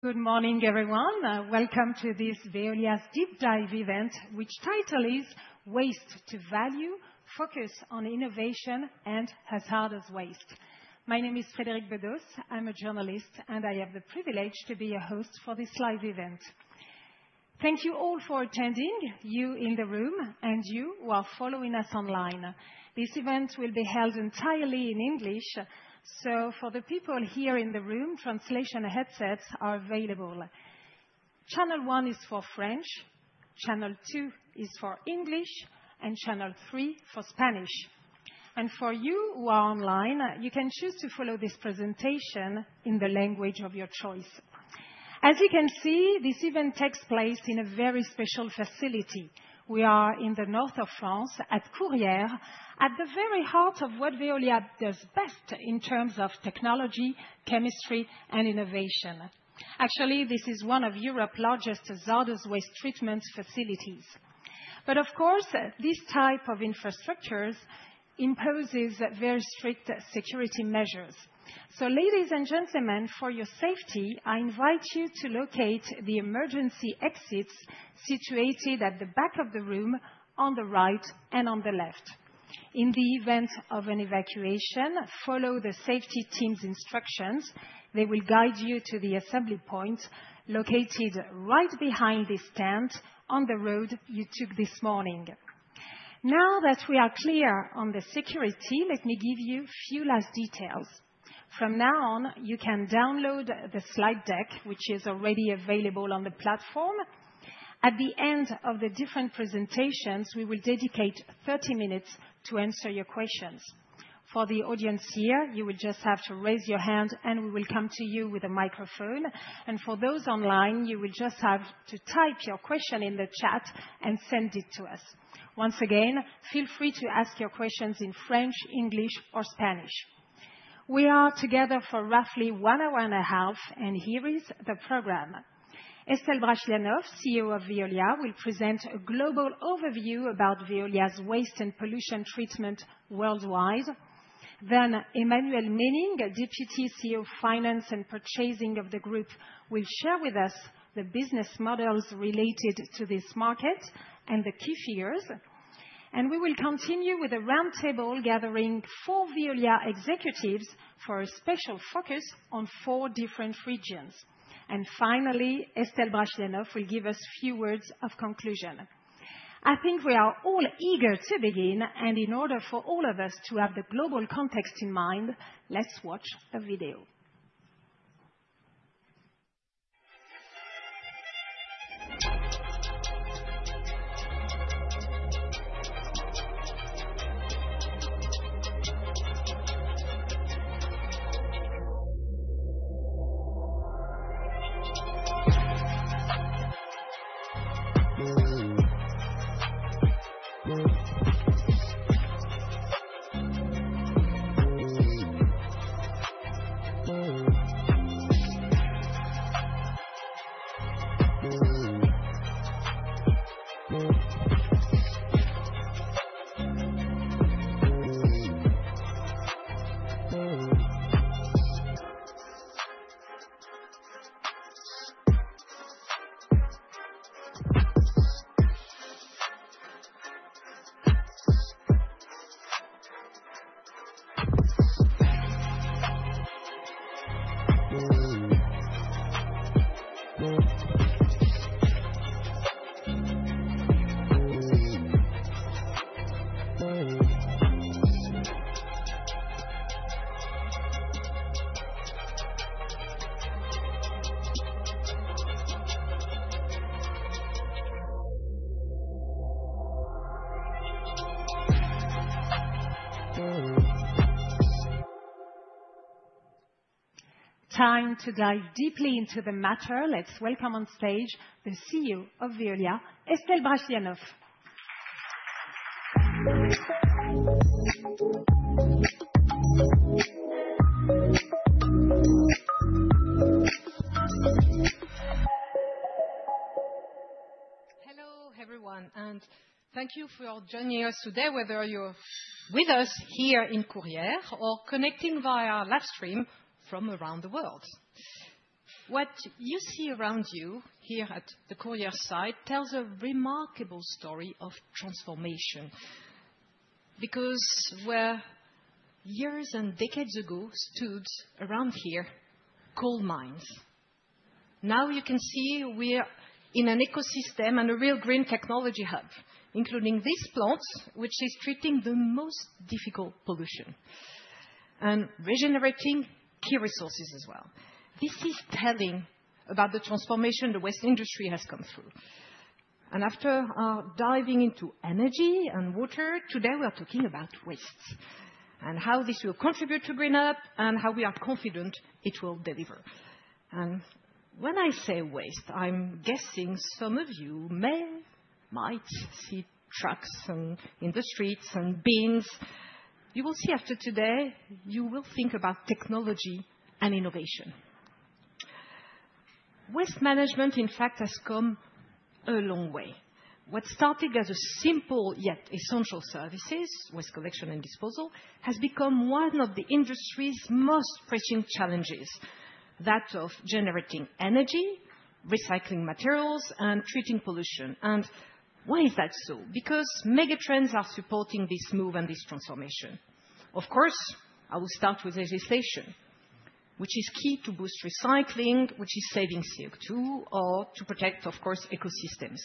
Good morning, everyone. Welcome to this Veolia's Deep Dive event, which title is "Waste to Value: Focus on Innovation and Hazardous Waste." My name is Frédérique Bedos. I'm a journalist, and I have the privilege to be your host for this live event. Thank you all for attending, you in the room, and you who are following us online. This event will be held entirely in English, so for the people here in the room, translation headsets are available. Channel 1 is for French, Channel 2 is for English, and Channel 3 for Spanish. For you who are online, you can choose to follow this presentation in the language of your choice. As you can see, this event takes place in a very special facility. We are in the north of France, at Courrières, at the very heart of what Veolia does best in terms of technology, chemistry, and innovation. Actually, this is one of Europe's largest hazardous waste treatment facilities. Of course, this type of infrastructure imposes very strict security measures. Ladies and gentlemen, for your safety, I invite you to locate the emergency exits situated at the back of the room, on the right and on the left. In the event of an evacuation, follow the safety team's instructions. They will guide you to the assembly point located right behind this tent on the road you took this morning. Now that we are clear on the security, let me give you a few last details. From now on, you can download the slide deck, which is already available on the platform. At the end of the different presentations, we will dedicate 30 minutes to answer your questions. For the audience here, you will just have to raise your hand, and we will come to you with a microphone. For those online, you will just have to type your question in the chat and send it to us. Once again, feel free to ask your questions in French, English, or Spanish. We are together for roughly one hour and a half, and here is the program. Estelle Brachlianoff, CEO of Veolia, will present a global overview about Veolia's waste and pollution treatment worldwide. Emmanuellele Menning, Deputy CEO of Finance and Purchasing of the group, will share with us the business models related to this market and the key figures. We will continue with a roundtable gathering four Veolia executives for a special focus on four different regions. Finally, Estelle Brachlianoff will give us a few words of conclusion. I think we are all eager to begin, and in order for all of us to have the global context in mind, let's watch a video. Time to dive deeply into the matter. Let's welcome on stage the CEO of Veolia, Estelle Brachlianoff. Hello, everyone, and thank you for joining us today, whether you're with us here in Courrières or connecting via livestream from around the world. What you see around you here at the Courrières site tells a remarkable story of transformation because where years and decades ago stood around here coal mines, now you can see we're in an ecosystem and a real green technology hub, including this plant which is treating the most difficult pollution and regenerating key resources as well. This is telling about the transformation the waste industry has gone through. After diving into energy and water, today we are talking about waste and how this will contribute to GreenUp and how we are confident it will deliver. When I say waste, I'm guessing some of you might see trucks in the streets and bins. You will see after today, you will think about technology and innovation. Waste management, in fact, has come a long way. What started as simple yet essential services, waste collection and disposal, has become one of the industry's most pressing challenges, that of generating energy, recycling materials, and treating pollution. Why is that so? Because megatrends are supporting this move and this transformation. Of course, I will start with legislation, which is key to boost recycling, which is saving CO2, or to protect, of course, ecosystems.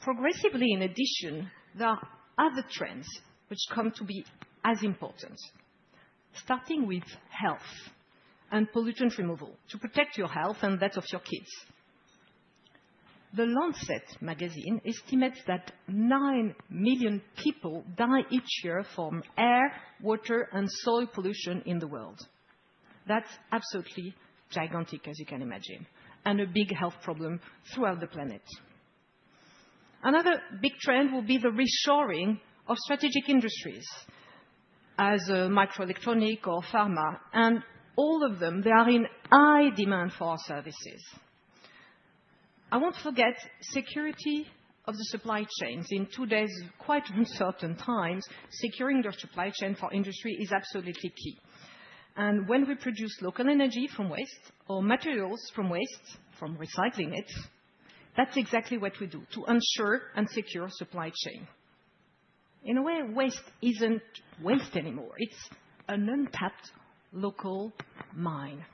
Progressively, in addition, there are other trends which come to be as important, starting with health and pollutant removal to protect your health and that of your kids. The Lancet magazine estimates that 9 million people die each year from air, water, and soil pollution in the world. That's absolutely gigantic, as you can imagine, and a big health problem throughout the planet. Another big trend will be the reshoring of strategic industries as microelectronics or pharma, and all of them, they are in high demand for our services. I won't forget the security of the supply chains. In today's quite uncertain times, securing the supply chain for industry is absolutely key. When we produce local energy from waste or materials from waste, from recycling it, that's exactly what we do to ensure and secure the supply chain. In a way, waste isn't waste anymore. It's an untapped local mine.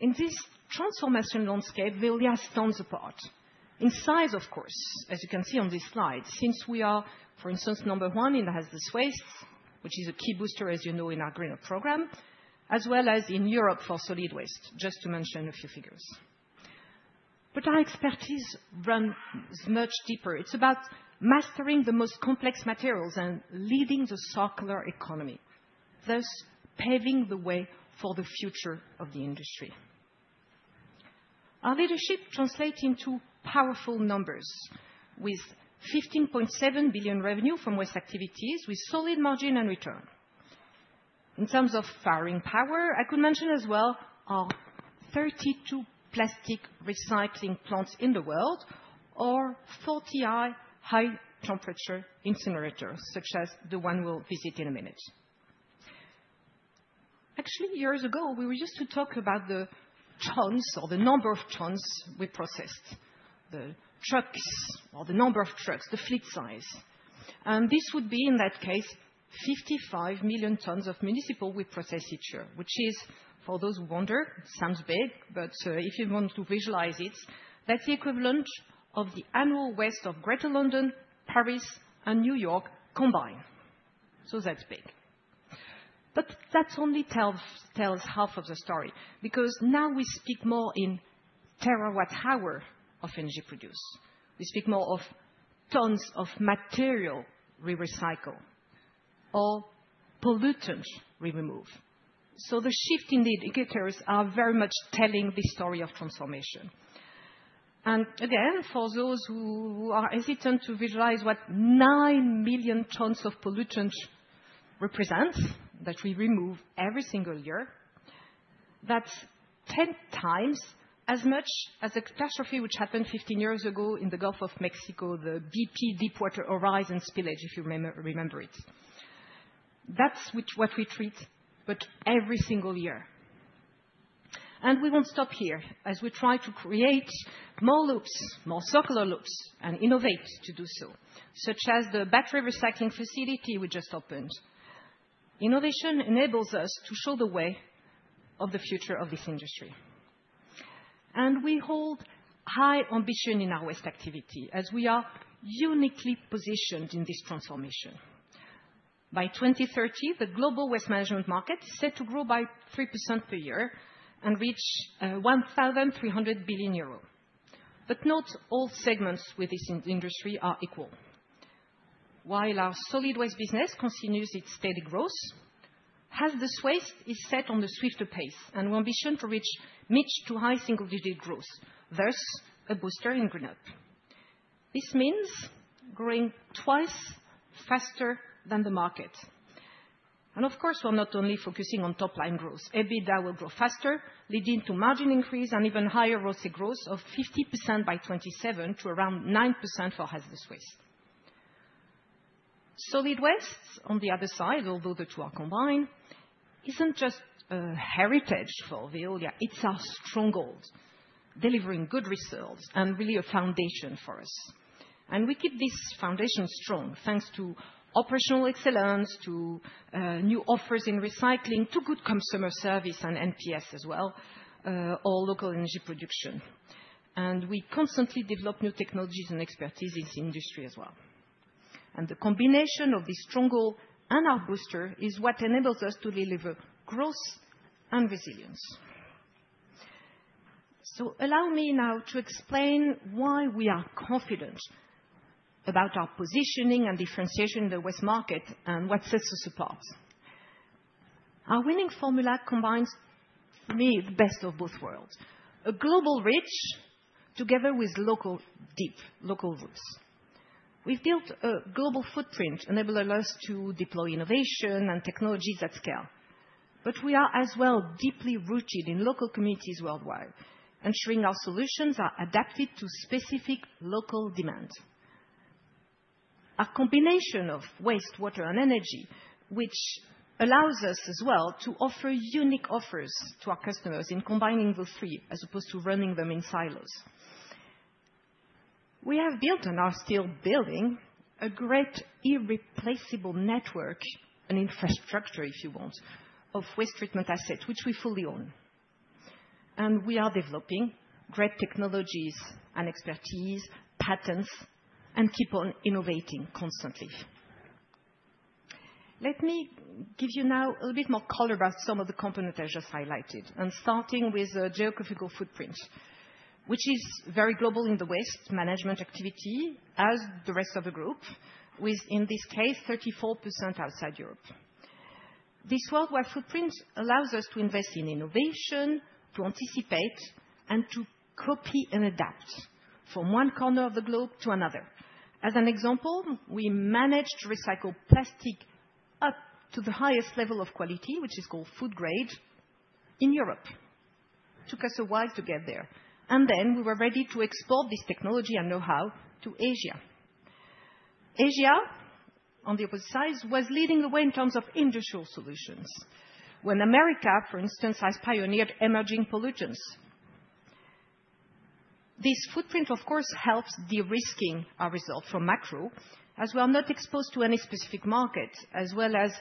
In this transformation landscape, Veolia stands apart in size, of course, as you can see on this slide, since we are, for instance, number one in hazardous waste, which is a key booster, as you know, in our GreenUp program, as well as in Europe for solid waste, just to mention a few figures. Our expertise runs much deeper. It's about mastering the most complex materials and leading the circular economy, thus paving the way for the future of the industry. Our leadership translates into powerful numbers, with 15.7 billion revenue from waste activities, with solid margin and return. In terms of firing power, I could mention as well our 32 plastic recycling plants in the world or 40 high-temperature incinerators, such as the one we'll visit in a minute. Actually, years ago, we were used to talk about the tons or the number of tons we processed, the trucks or the number of trucks, the fleet size. This would be, in that case, 55 million tons of municipal waste we process each year, which is, for those who wonder, sounds big, but if you want to visualize it, that's the equivalent of the annual waste of Greater London, Paris, and New York combined. That is big. That only tells half of the story because now we speak more in terawatt-hours of energy produced. We speak more of tons of material we recycle or pollutants we remove. The shift in the indicators is very much telling the story of transformation. Again, for those who are hesitant to visualize what 9 million tons of pollutants represent that we remove every single year, that's 10 times as much as the catastrophe which happened 15 years ago in the Gulf of Mexico, the BP Deepwater Horizon spill, if you remember it. That's what we treat, but every single year. We won't stop here as we try to create more loops, more circular loops, and innovate to do so, such as the battery recycling facility we just opened. Innovation enables us to show the way of the future of this industry. We hold high ambition in our waste activity as we are uniquely positioned in this transformation. By 2030, the global waste management market is set to grow by 3% per year and reach 1,300 billion euros. Not all segments within this industry are equal. While our solid waste business continues its steady growth, hazardous waste is set on a swift pace, and we ambition to reach mid to high single-digit growth, thus a booster in GreenUp. This means growing twice faster than the market. Of course, we're not only focusing on top-line growth. EBITDA will grow faster, leading to margin increase and even higher gross of 50% by 2027 to around 9% for hazardous waste. Solid waste, on the other side, although the two are combined, isn't just a heritage for Veolia. It's our stronghold, delivering good results and really a foundation for us. We keep this foundation strong thanks to operational excellence, to new offers in recycling, to good customer service and NPS as well, or local energy production. We constantly develop new technologies and expertise in this industry as well. The combination of this stronghold and our booster is what enables us to deliver growth and resilience. Allow me now to explain why we are confident about our positioning and differentiation in the waste market and what sets us apart. Our winning formula combines, for me, the best of both worlds: a global reach together with deep local roots. We have built a global footprint enabling us to deploy innovation and technologies at scale. We are as well deeply rooted in local communities worldwide, ensuring our solutions are adapted to specific local demands. Our combination of waste, water, and energy allows us as well to offer unique offers to our customers in combining the three as opposed to running them in silos. We have built and are still building a great irreplaceable network and infrastructure, if you want, of waste treatment assets, which we fully own. We are developing great technologies and expertise, patents, and keep on innovating constantly. Let me give you now a little bit more color about some of the components I just highlighted, starting with a geographical footprint, which is very global in the waste management activity, as the rest of the group, with, in this case, 34% outside Europe. This worldwide footprint allows us to invest in innovation, to anticipate, and to copy and adapt from one corner of the globe to another. As an example, we managed to recycle plastic up to the highest level of quality, which is called food grade, in Europe. It took us a while to get there. We were ready to export this technology and know-how to Asia. Asia, on the opposite side, was leading the way in terms of industrial solutions. When America, for instance, has pioneered emerging pollutants, this footprint, of course, helps de-risking our result from macro as we are not exposed to any specific market, as well as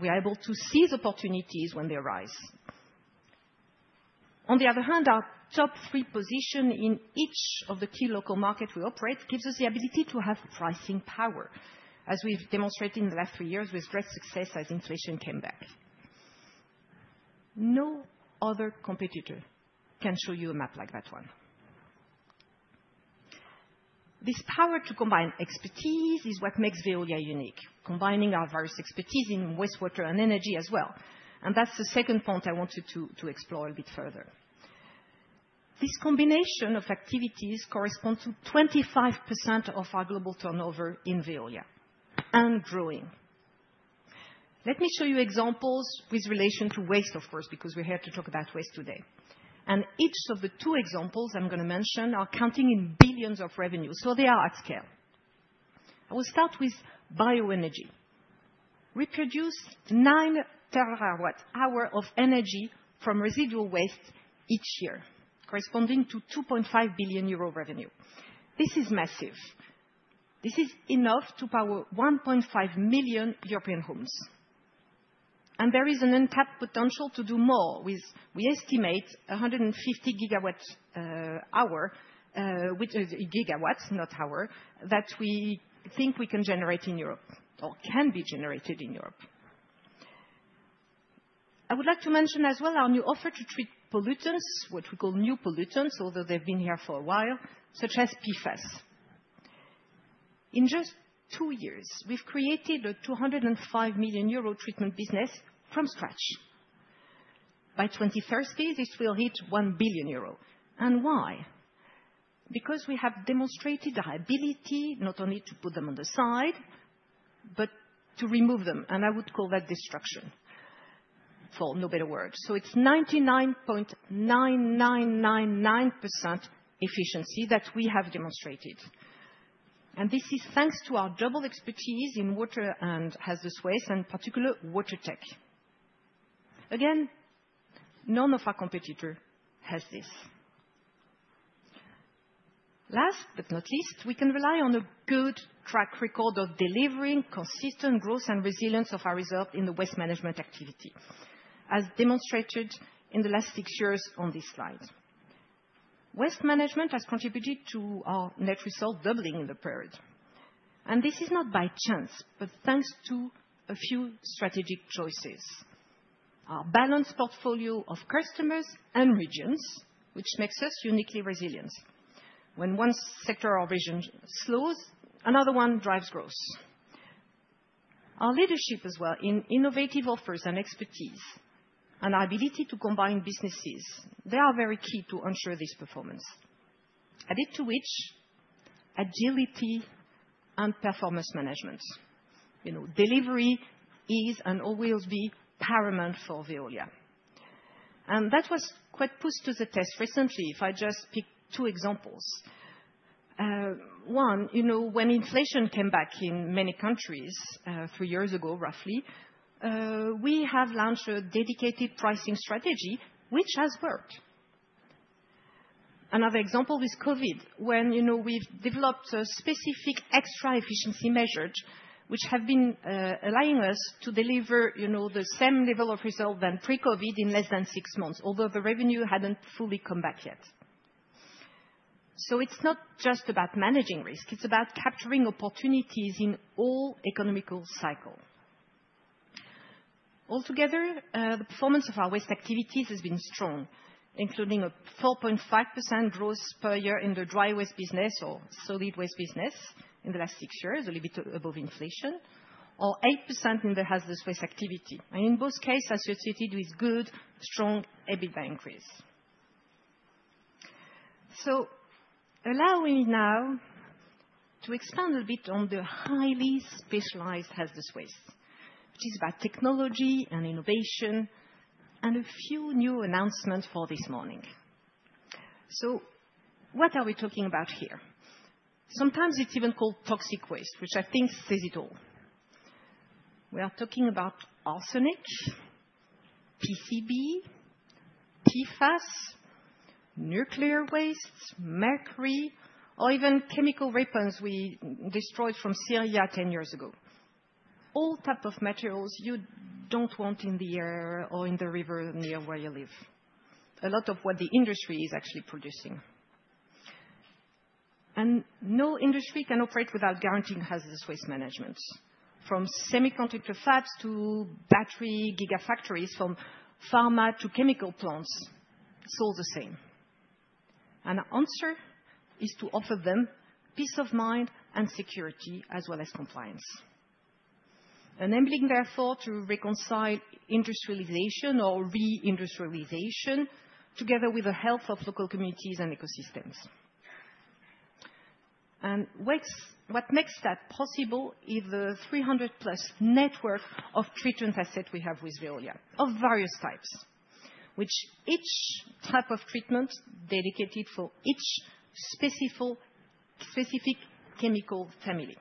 we are able to seize opportunities when they arise. On the other hand, our top three position in each of the key local markets we operate gives us the ability to have pricing power, as we've demonstrated in the last three years with great success as inflation came back. No other competitor can show you a map like that one. This power to combine expertise is what makes Veolia unique, combining our various expertise in wastewater and energy as well. That is the second point I wanted to explore a bit further. This combination of activities corresponds to 25% of our global turnover in Veolia and growing. Let me show you examples with relation to waste, of course, because we're here to talk about waste today. Each of the two examples I'm going to mention are counting in billions of revenue, so they are at scale. I will start with bioenergy. We produce 9 terawatt-hours of energy from residual waste each year, corresponding to 2.5 billion euro revenue. This is massive. This is enough to power 1.5 million European homes. There is an untapped potential to do more with, we estimate, 150 GW, which is gigawatts, not hour, that we think we can generate in Europe or can be generated in Europe. I would like to mention as well our new offer to treat pollutants, what we call new pollutants, although they've been here for a while, such as PFAS. In just two years, we've created a 205 million euro treatment business from scratch. By 2030, this will hit 1 billion euro. Why? Because we have demonstrated our ability not only to put them on the side, but to remove them. I would call that destruction, for no better word. It is 99.9999% efficiency that we have demonstrated. This is thanks to our double expertise in water and hazardous waste, and particularly water tech. Again, none of our competitors has this. Last but not least, we can rely on a good track record of delivering consistent growth and resilience of our results in the waste management activity, as demonstrated in the last six years on this slide. Waste management has contributed to our net result doubling in the period. This is not by chance, but thanks to a few strategic choices. Our balanced portfolio of customers and regions, which makes us uniquely resilient. When one sector or region slows, another one drives growth. Our leadership as well in innovative offers and expertise and our ability to combine businesses, they are very key to ensure this performance. Added to which, agility and performance management, you know, delivery is and always will be paramount for Veolia. That was quite put to the test recently, if I just pick two examples. One, you know, when inflation came back in many countries three years ago, roughly, we have launched a dedicated pricing strategy, which has worked. Another example is COVID, when you know we've developed a specific extra efficiency measure, which has been allowing us to deliver, you know, the same level of result than pre-COVID in less than six months, although the revenue hadn't fully come back yet. It's not just about managing risk. It's about capturing opportunities in all economical cycles. Altogether, the performance of our waste activities has been strong, including a 4.5% growth per year in the dry waste business or solid waste business in the last six years, a little bit above inflation, or 8% in the hazardous waste activity. In both cases, associated with good, strong EBITDA increase. Allow me now to expand a bit on the highly specialized hazardous waste, which is about technology and innovation and a few new announcements for this morning. What are we talking about here? Sometimes it's even called toxic waste, which I think says it all. We are talking about arsenic, PCB, PFAS, nuclear waste, mercury, or even chemical weapons we destroyed from Syria 10 years ago. All types of materials you don't want in the air or in the river near where you live. A lot of what the industry is actually producing. No industry can operate without guaranteeing hazardous waste management. From semiconductor fabs to battery gigafactories, from pharma to chemical plants, it is all the same. Our answer is to offer them peace of mind and security as well as compliance. Enabling, therefore, to reconcile industrialization or re-industrialization together with the health of local communities and ecosystems. What makes that possible is the 300+ network of treatment assets we have with Veolia of various types, where each type of treatment is dedicated for each specific chemical family.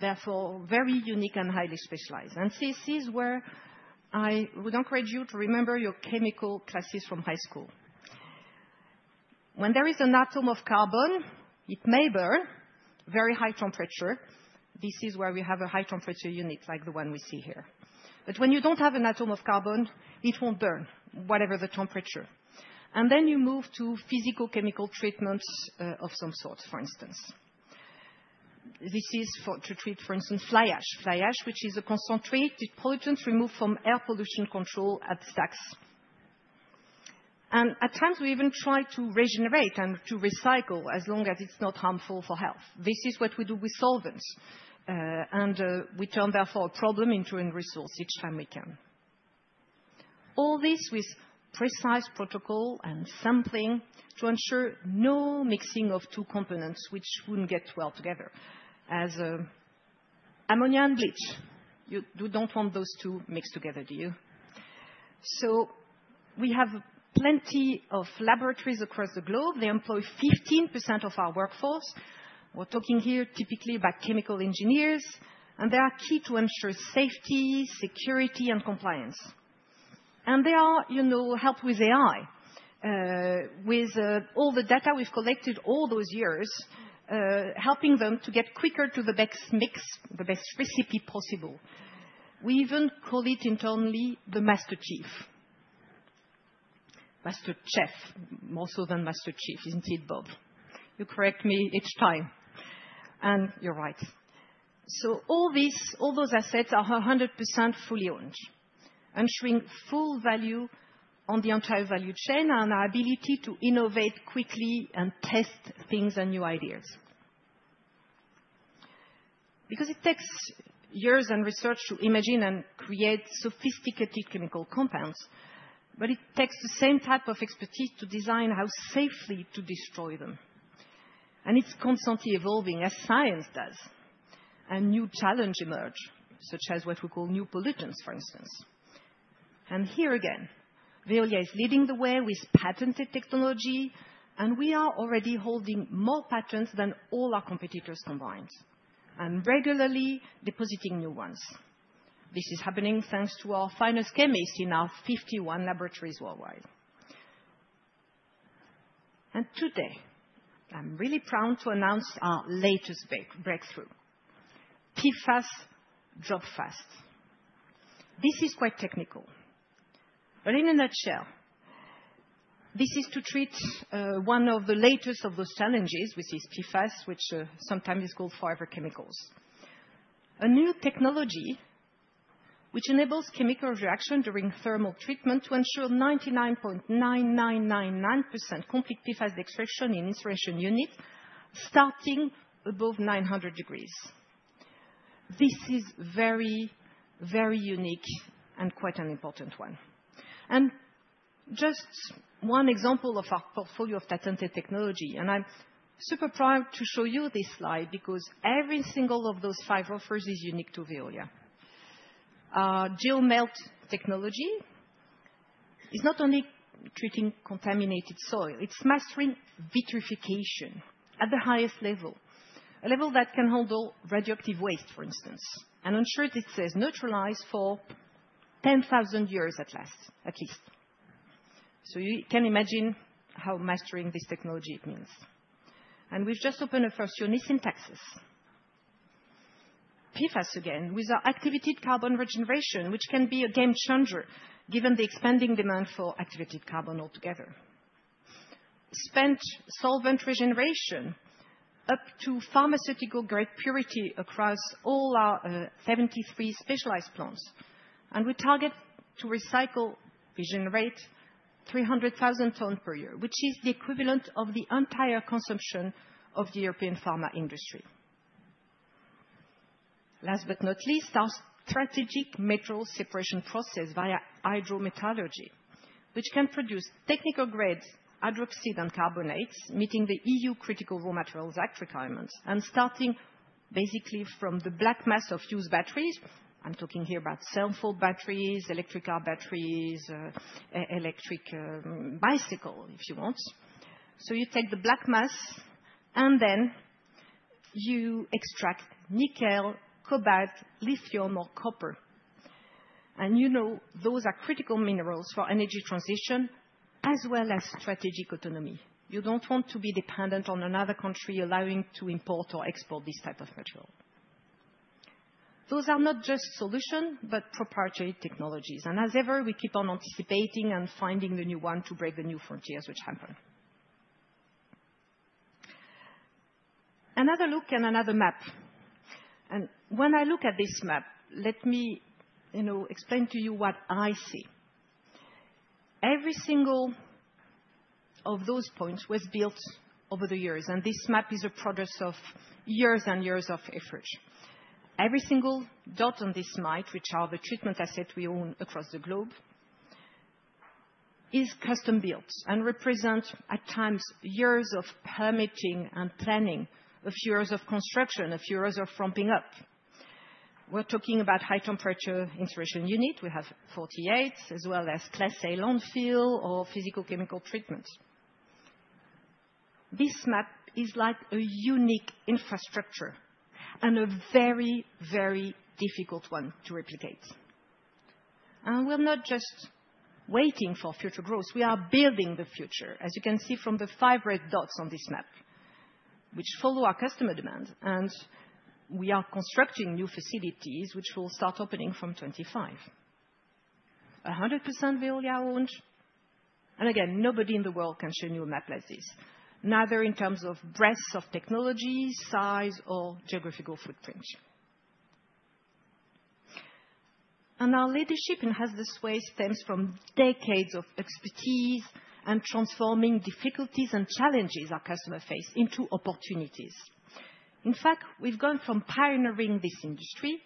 Therefore, very unique and highly specialized. This is where I would encourage you to remember your chemical classes from high school. When there is an atom of carbon, it may burn at very high temperature. This is where we have a high temperature unit like the one we see here. When you do not have an atom of carbon, it will not burn, whatever the temperature. You move to physicochemical treatments of some sort, for instance. This is to treat, for instance, fly ash, which is a concentrated pollutant removed from air pollution control at stacks. At times, we even try to regenerate and to recycle as long as it is not harmful for health. This is what we do with solvents. We turn, therefore, a problem into a resource each time we can. All this with precise protocol and sampling to ensure no mixing of two components, which would not get well together, as ammonia and bleach. You do not want those two mixed together, do you? We have plenty of laboratories across the globe. They employ 15% of our workforce. We are talking here typically about chemical engineers. They are key to ensure safety, security, and compliance. They are helped with AI, with all the data we've collected all those years, helping them to get quicker to the best mix, the best recipe possible. We even call it internally the master chef, more so than master chief, isn't it, Bob? You correct me each time. You are right. All those assets are 100% fully owned, ensuring full value on the entire value chain and our ability to innovate quickly and test things and new ideas. It takes years and research to imagine and create sophisticated chemical compounds, but it takes the same type of expertise to design how safely to destroy them. It is constantly evolving, as science does. New challenges emerge, such as what we call new pollutants, for instance. Here again, Veolia is leading the way with patented technology, and we are already holding more patents than all our competitors combined, and regularly depositing new ones. This is happening thanks to our finest chemists in our 51 laboratories worldwide. Today, I'm really proud to announce our latest breakthrough, DropFast. This is quite technical, but in a nutshell, this is to treat one of the latest of those challenges, which is PFAS, which sometimes is called forever chemicals. A new technology which enables chemical reaction during thermal treatment to ensure 99.9999% complete PFAS extraction in incineration units starting above 900 degrees. This is very, very unique and quite an important one. This is just one example of our portfolio of patented technology. I'm super proud to show you this slide because every single one of those five offers is unique to Veolia. GeoMelt technology is not only treating contaminated soil. It's mastering vitrification at the highest level, a level that can handle radioactive waste, for instance, and ensure it stays neutralized for 10,000 years at least. You can imagine what mastering this technology means. We've just opened a first unit in Texas. PFAS, again, with our activated carbon regeneration, which can be a game changer given the expanding demand for activated carbon altogether. Spent solvent regeneration up to pharmaceutical-grade purity across all our 73 specialized plants. We target to recycle, regenerate 300,000 tons per year, which is the equivalent of the entire consumption of the European pharma industry. Last but not least, our strategic metal separation process via hydrometallurgy, which can produce technical-grade hydroxide and carbonates, meeting the EU Critical Raw Materials Act requirements and starting basically from the black mass of used batteries. I'm talking here about cell phone batteries, electric car batteries, electric bicycle, if you want. You take the black mass, and then you extract nickel, cobalt, lithium, or copper. You know those are critical minerals for energy transition as well as strategic autonomy. You do not want to be dependent on another country allowing you to import or export this type of material. Those are not just solutions, but proprietary technologies. As ever, we keep on anticipating and finding the new one to break the new frontiers, which happen. Another look and another map. When I look at this map, let me explain to you what I see. Every single one of those points was built over the years. This map is a product of years and years of effort. Every single dot on this map, which are the treatment assets we own across the globe, is custom built and represents at times years of permitting and planning, a few years of construction, a few years of ramping up. We're talking about high temperature incineration unit. We have 48, as well as class A landfill or physicochemical treatments. This map is like a unique infrastructure and a very, very difficult one to replicate. We're not just waiting for future growth. We are building the future, as you can see from the five red dots on this map, which follow our customer demand. We are constructing new facilities, which will start opening from 2025. 100% Veolia owned. Nobody in the world can show you a map like this, neither in terms of breadth of technology, size, or geographical footprint. Our leadership in hazardous waste stems from decades of expertise and transforming difficulties and challenges our customers face into opportunities. In fact, we have gone from pioneering this industry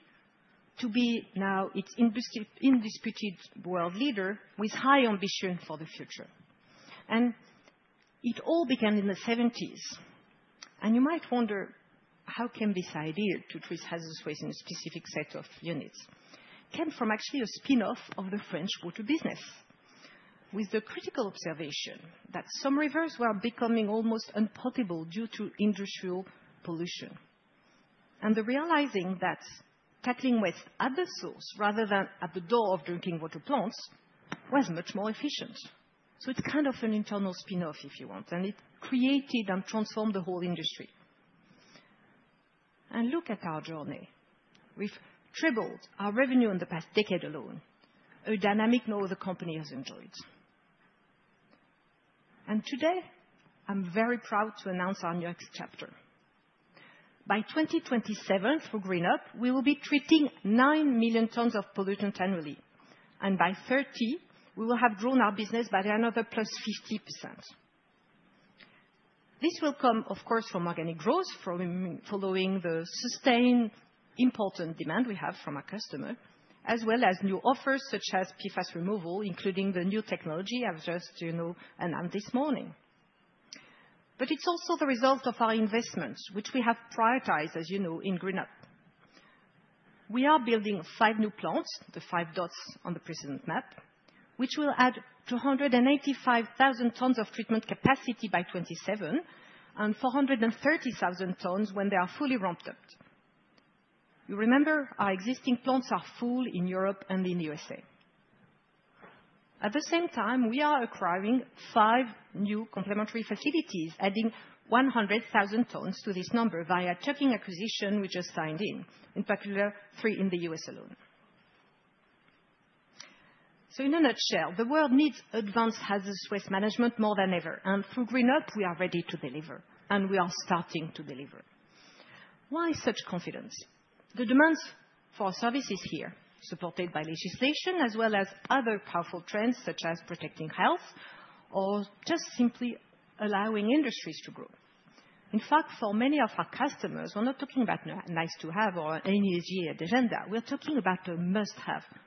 to be now its indisputable world leader with high ambition for the future. It all began in the 1970s. You might wonder how this idea to treat hazardous waste in a specific set of units came about. It came from actually a spinoff of the French water business, with the critical observation that some rivers were becoming almost unpotable due to industrial pollution. Realizing that tackling waste at the source rather than at the door of drinking water plants was much more efficient. It is kind of an internal spinoff, if you want. It created and transformed the whole industry. Look at our journey. We've tripled our revenue in the past decade alone, a dynamic no other company has enjoyed. Today, I'm very proud to announce our next chapter. By 2027, through GreenUp, we will be treating 9 million tons of pollutants annually. By 2030, we will have grown our business by another +50%. This will come, of course, from organic growth, following the sustained important demand we have from our customers, as well as new offers such as PFAS removal, including the new technology I've just announced this morning. It is also the result of our investments, which we have prioritized, as you know, in GreenUp. We are building five new plants, the five dots on the present map, which will add 285,000 tons of treatment capacity by 2027 and 430,000 tons when they are fully ramped up. You remember our existing plants are full in Europe and in the U.S. At the same time, we are acquiring five new complementary facilities, adding 100,000 tons to this number via chucking acquisition we just signed in, in particular three in the U.S. alone. In a nutshell, the world needs advanced hazardous waste management more than ever. Through GreenUp, we are ready to deliver. We are starting to deliver. Why such confidence? The demand for our services here, supported by legislation, as well as other powerful trends such as protecting health or just simply allowing industries to grow. In fact, for many of our customers, we're not talking about a nice-to-have or an easy-to-have agenda. We're talking about a must-have, a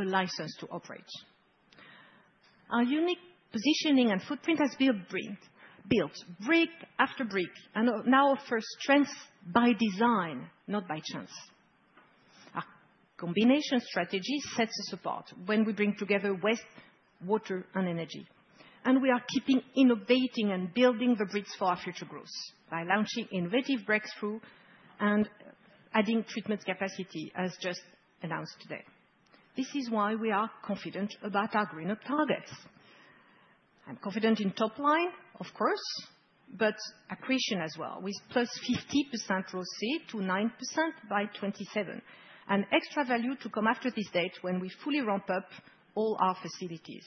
license to operate. Our unique positioning and footprint has built brick after brick and now offers strength by design, not by chance. Our combination strategy sets the support when we bring together waste, water, and energy. We are keeping innovating and building the bricks for our future growth by launching innovative breakthroughs and adding treatment capacity, as just announced today. This is why we are confident about our GreenUp targets. I'm confident in top line, of course, but accretion as well, with +50% gross sale to 9% by 2027, and extra value to come after this date when we fully ramp up all our facilities.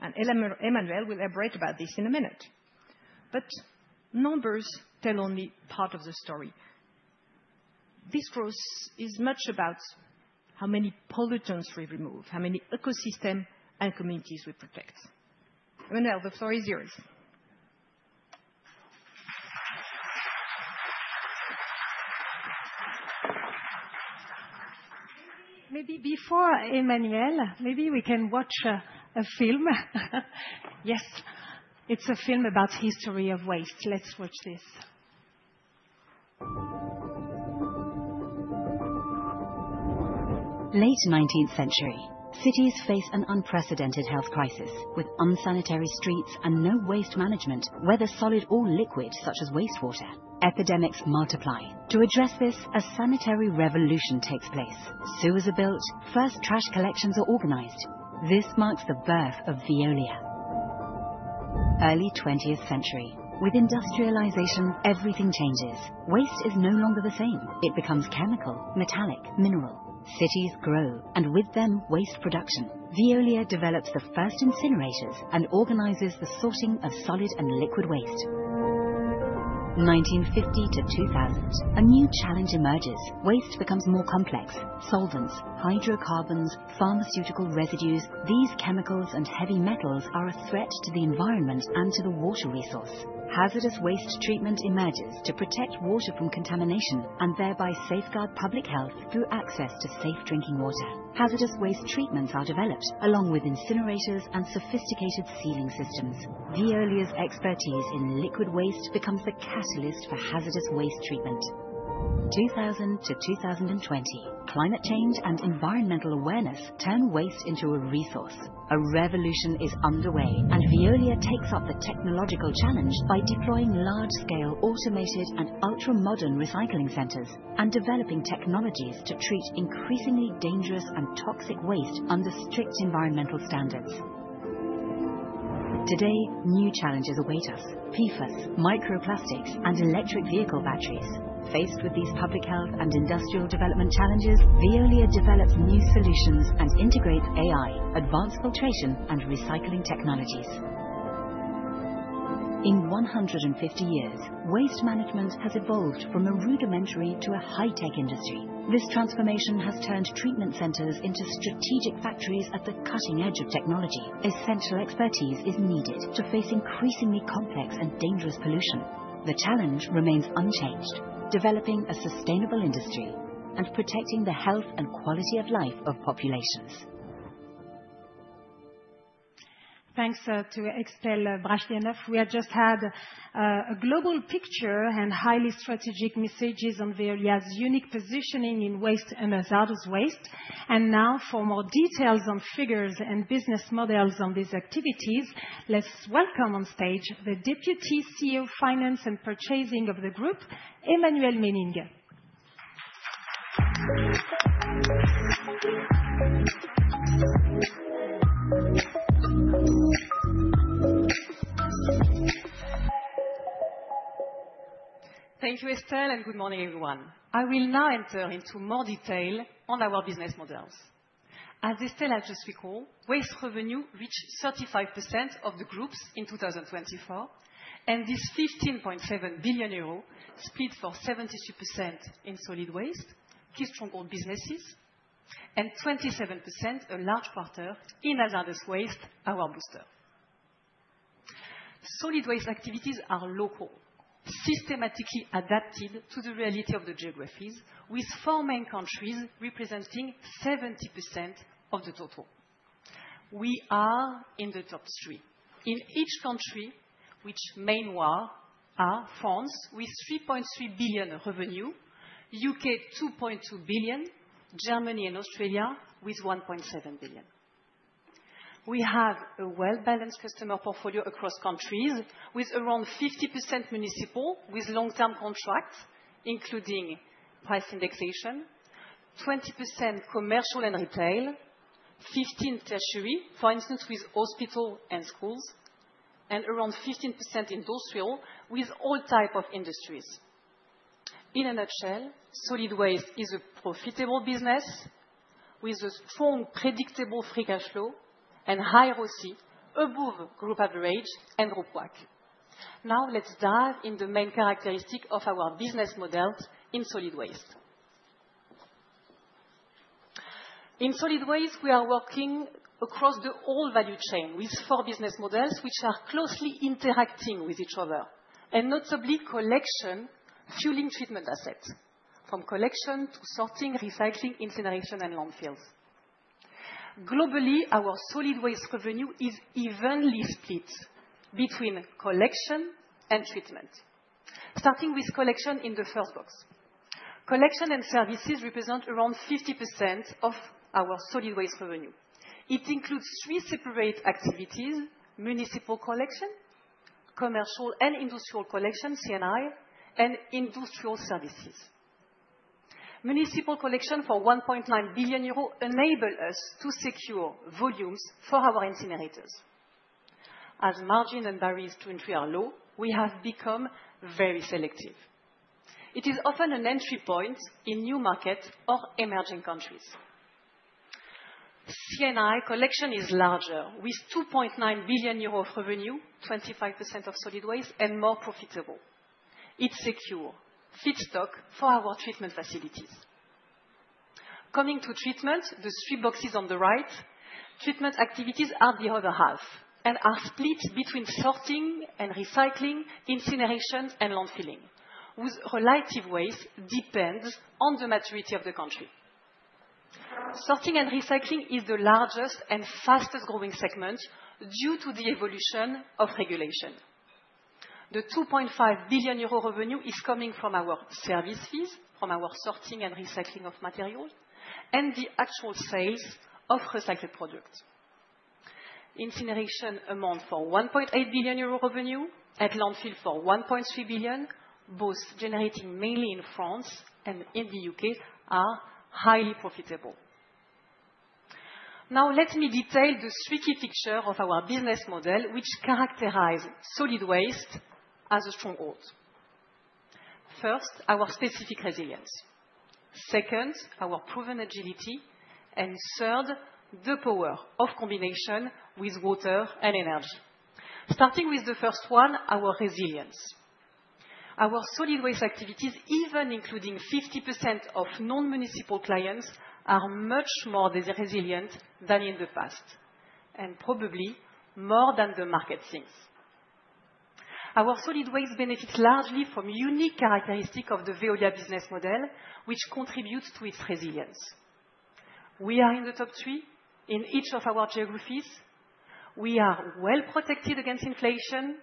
Emmanuelle will elaborate about this in a minute. Numbers tell only part of the story. This growth is much about how many pollutants we remove, how many ecosystems and communities we protect. Emmanuelle, the floor is yours. Maybe before Emmanuelle, maybe we can watch a film. Yes, it's a film about the history of waste. Let's watch this. Late 19th century, cities face an unprecedented health crisis with unsanitary streets and no waste management, whether solid or liquid, such as wastewater. Epidemics multiply. To address this, a sanitary revolution takes place. Sewers are built. First trash collections are organized. This marks the birth of Veolia. Early 20th century. With industrialization, everything changes. Waste is no longer the same. It becomes chemical, metallic, mineral. Cities grow, and with them, waste production. Veolia develops the first incinerators and organizes the sorting of solid and liquid waste. 1950 to 2000, a new challenge emerges. Waste becomes more complex. Solvents, hydrocarbons, pharmaceutical residues, these chemicals and heavy metals are a threat to the environment and to the water resource. Hazardous waste treatment emerges to protect water from contamination and thereby safeguard public health through access to safe drinking water. Hazardous waste treatments are developed, along with incinerators and sophisticated sealing systems. Veolia's expertise in liquid waste becomes the catalyst for hazardous waste treatment. From 2000 to 2020, climate change and environmental awareness turn waste into a resource. A revolution is underway, and Veolia takes up the technological challenge by deploying large-scale automated and ultra-modern recycling centers and developing technologies to treat increasingly dangerous and toxic waste under strict environmental standards. Today, new challenges await us: PFAS, microplastics, and electric vehicle batteries. Faced with these public health and industrial development challenges, Veolia develops new solutions and integrates AI, advanced filtration, and recycling technologies. In 150 years, waste management has evolved from a rudimentary to a high-tech industry. This transformation has turned treatment centers into strategic factories at the cutting edge of technology. Essential expertise is needed to face increasingly complex and dangerous pollution. The challenge remains unchanged: developing a sustainable industry and protecting the health and quality of life of populations. Thanks to Estelle Brachlianoff. We have just had a global picture and highly strategic messages on Veolia's unique positioning in waste and hazardous waste. Now, for more details on figures and business models on these activities, let's welcome on stage the Deputy CEO Finance and Purchasing of the group, Emmanuelle Menning. Thank you, Estelle, and good morning, everyone. I will now enter into more detail on our business models. As Estelle has just recalled, waste revenue reached 35% of the group in 2024, and this 15.7 billion euro split for 72% in solid waste, key stronghold businesses, and 27%, a large quarter, in hazardous waste, our booster. Solid waste activities are local, systematically adapted to the reality of the geographies, with four main countries representing 70% of the total. We are in the top three. In each country, which main are France with 3.3 billion revenue, U.K. 2.2 billion, Germany and Australia with 1.7 billion. We have a well-balanced customer portfolio across countries, with around 50% municipal with long-term contracts, including price indexation, 20% commercial and retail, 15% tertiary, for instance, with hospitals and schools, and around 15% industrial with all types of industries. In a nutshell, solid waste is a profitable business with a strong, predictable free cash flow and high ROCE above group average and group WAC. Now let's dive into the main characteristics of our business models in solid waste. In solid waste, we are working across the whole value chain with four business models which are closely interacting with each other, and notably collection, fueling, treatment assets, from collection to sorting, recycling, incineration, and landfills. Globally, our solid waste revenue is evenly split between collection and treatment, starting with collection in the first box. Collection and services represent around 50% of our solid waste revenue. It includes three separate activities: municipal collection, commercial and industrial collection, CNI, and industrial services. Municipal collection for 1.9 billion euros enables us to secure volumes for our incinerators. As margin and barriers to entry are low, we have become very selective. It is often an entry point in new markets or emerging countries. CNI collection is larger, with 2.9 billion euros of revenue, 25% of solid waste, and more profitable. It secures feedstock for our treatment facilities. Coming to treatment, the three boxes on the right, treatment activities are the other half and are split between sorting and recycling, incineration, and landfilling, with relative waste depending on the maturity of the country. Sorting and recycling is the largest and fastest-growing segment due to the evolution of regulation. The 2.5 billion euro revenue is coming from our service fees, from our sorting and recycling of materials, and the actual sales of recycled products. Incineration amounts to 1.8 billion euro revenue and landfill for 1.3 billion, both generating mainly in France and in the U.K., and are highly profitable. Now let me detail the tricky picture of our business model, which characterizes solid waste as a stronghold. First, our specific resilience. Second, our proven agility. Third, the power of combination with water and energy. Starting with the first one, our resilience. Our solid waste activities, even including 50% of non-municipal clients, are much more resilient than in the past, and probably more than the market thinks. Our solid waste benefits largely from unique characteristics of the Veolia business model, which contributes to its resilience. We are in the top three in each of our geographies. We are well protected against inflation.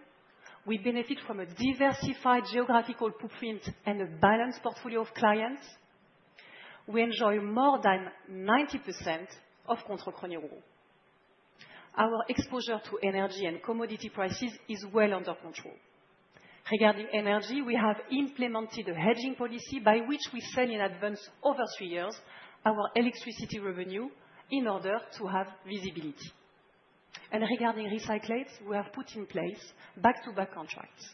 We benefit from a diversified geographical footprint and a balanced portfolio of clients. We enjoy more than 90% of contract renewal. Our exposure to energy and commodity prices is well under control. Regarding energy, we have implemented a hedging policy by which we send in advance over three years our electricity revenue in order to have visibility. Regarding recycles, we have put in place back-to-back contracts.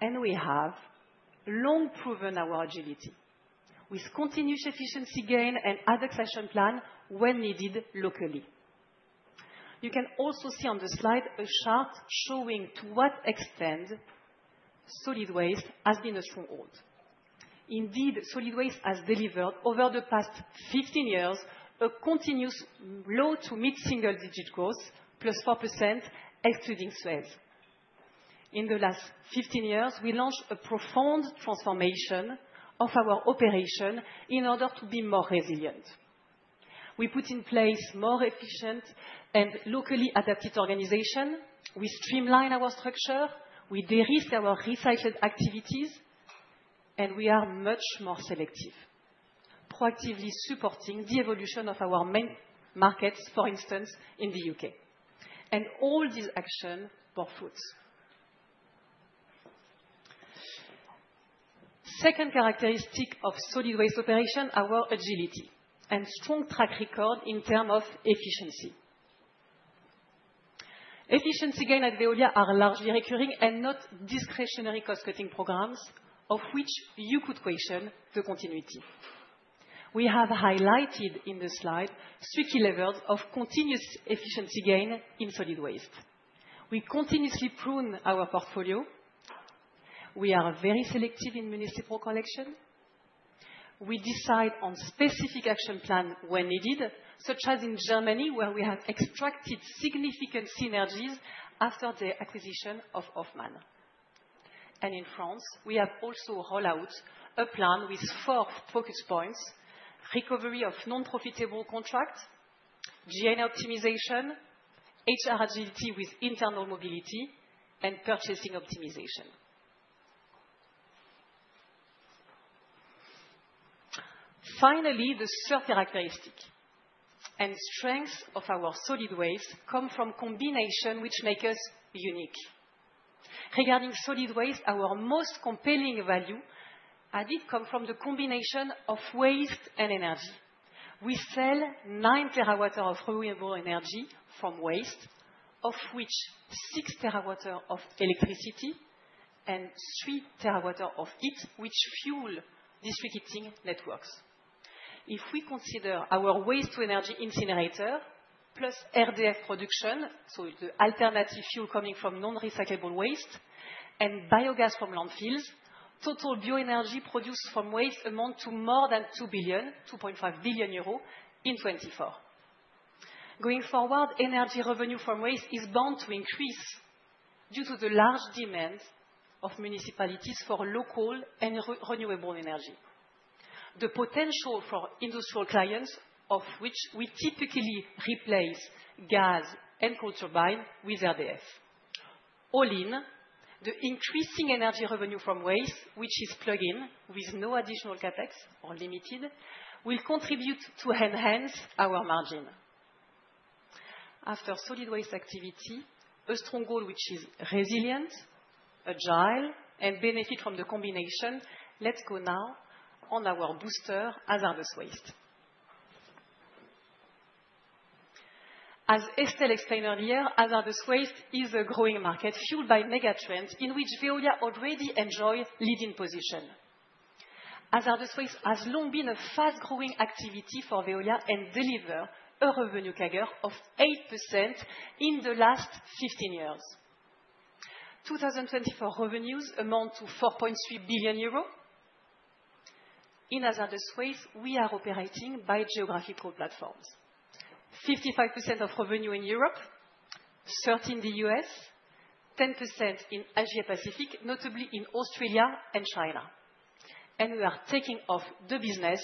We have long proven our agility with continuous efficiency gain and adequation plan when needed locally. You can also see on the slide a chart showing to what extent solid waste has been a stronghold. Indeed, solid waste has delivered over the past 15 years a continuous low to mid-single-digit growth, plus 4%, excluding sales. In the last 15 years, we launched a profound transformation of our operation in order to be more resilient. We put in place more efficient and locally adapted organizations. We streamline our structure. We de-risk our recycled activities. We are much more selective, proactively supporting the evolution of our main markets, for instance, in the U.K. All these actions bore fruit. Second characteristic of solid waste operation, our agility and strong track record in terms of efficiency. Efficiency gains at Veolia are largely recurring and not discretionary cost-cutting programs, of which you could question the continuity. We have highlighted in the slide tricky levels of continuous efficiency gain in solid waste. We continuously prune our portfolio. We are very selective in municipal collection. We decide on specific action plans when needed, such as in Germany, where we have extracted significant synergies after the acquisition of Hofmann. In France, we have also rolled out a plan with four focus points: recovery of non-profitable contracts, GN optimization, HR agility with internal mobility, and purchasing optimization. Finally, the third characteristic and strength of our solid waste come from combinations, which make us unique. Regarding solid waste, our most compelling value added comes from the combination of waste and energy. We sell 9 TW of renewable energy from waste, of which 6 TW of electricity and 3 TW of heat, which fuel district heating networks. If we consider our waste-to-energy incinerator plus RDF production, so the alternative fuel coming from non-recyclable waste, and biogas from landfills, total bioenergy produced from waste amounts to more than 2 billion, 2.5 billion euro in 2024. Going forward, energy revenue from waste is bound to increase due to the large demand of municipalities for local and renewable energy. The potential for industrial clients, of which we typically replace gas and coal turbines with RDF, all in the increasing energy revenue from waste, which is plug-in with no additional CapEx or limited, will contribute to enhance our margin. After solid waste activity, a stronghold which is resilient, agile, and benefits from the combination, let's go now on our booster hazardous waste. As Estelle explained earlier, hazardous waste is a growing market fueled by mega trends in which Veolia already enjoys a leading position. Hazardous waste has long been a fast-growing activity for Veolia and delivers a revenue figure of 8% in the last 15 years. 2024 revenues amount to 4.3 billion euros. In hazardous waste, we are operating by geographical platforms: 55% of revenue in Europe, 13% in the U.S., 10% in Asia-Pacific, notably in Australia and China. We are taking off the business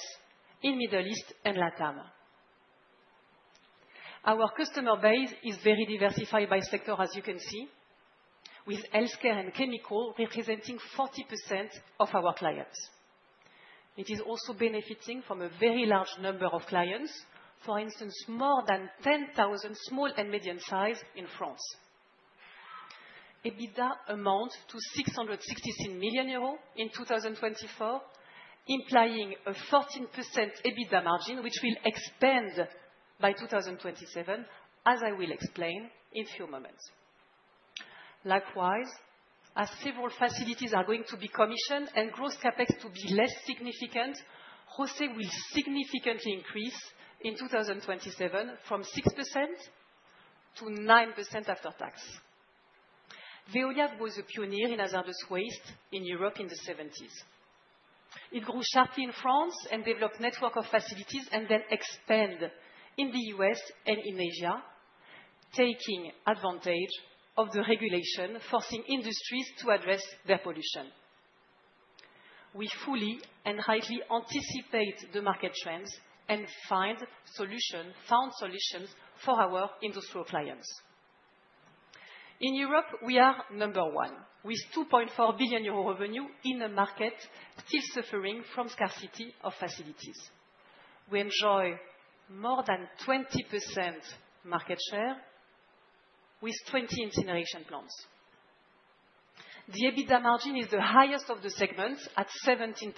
in the Middle East and LATAM. Our customer base is very diversified by sector, as you can see, with healthcare and chemical representing 40% of our clients. It is also benefiting from a very large number of clients, for instance, more than 10,000 small and medium-sized in France. EBITDA amounts to 666 million euros in 2024, implying a 14% EBITDA margin, which will expand by 2027, as I will explain in a few moments. Likewise, as several facilities are going to be commissioned and gross CapEx to be less significant, ROCE will significantly increase in 2027 from 6% to 9% after tax. Veolia was a pioneer in hazardous waste in Europe in the 1970s. It grew sharply in France and developed a network of facilities and then expanded in the U.S. and in Asia, taking advantage of the regulation, forcing industries to address their pollution. We fully and rightly anticipate the market trends and find solutions, found solutions for our industrial clients. In Europe, we are number one with 2.4 billion euro revenue in a market still suffering from scarcity of facilities. We enjoy more than 20% market share with 20 incineration plants. The EBITDA margin is the highest of the segments at 17%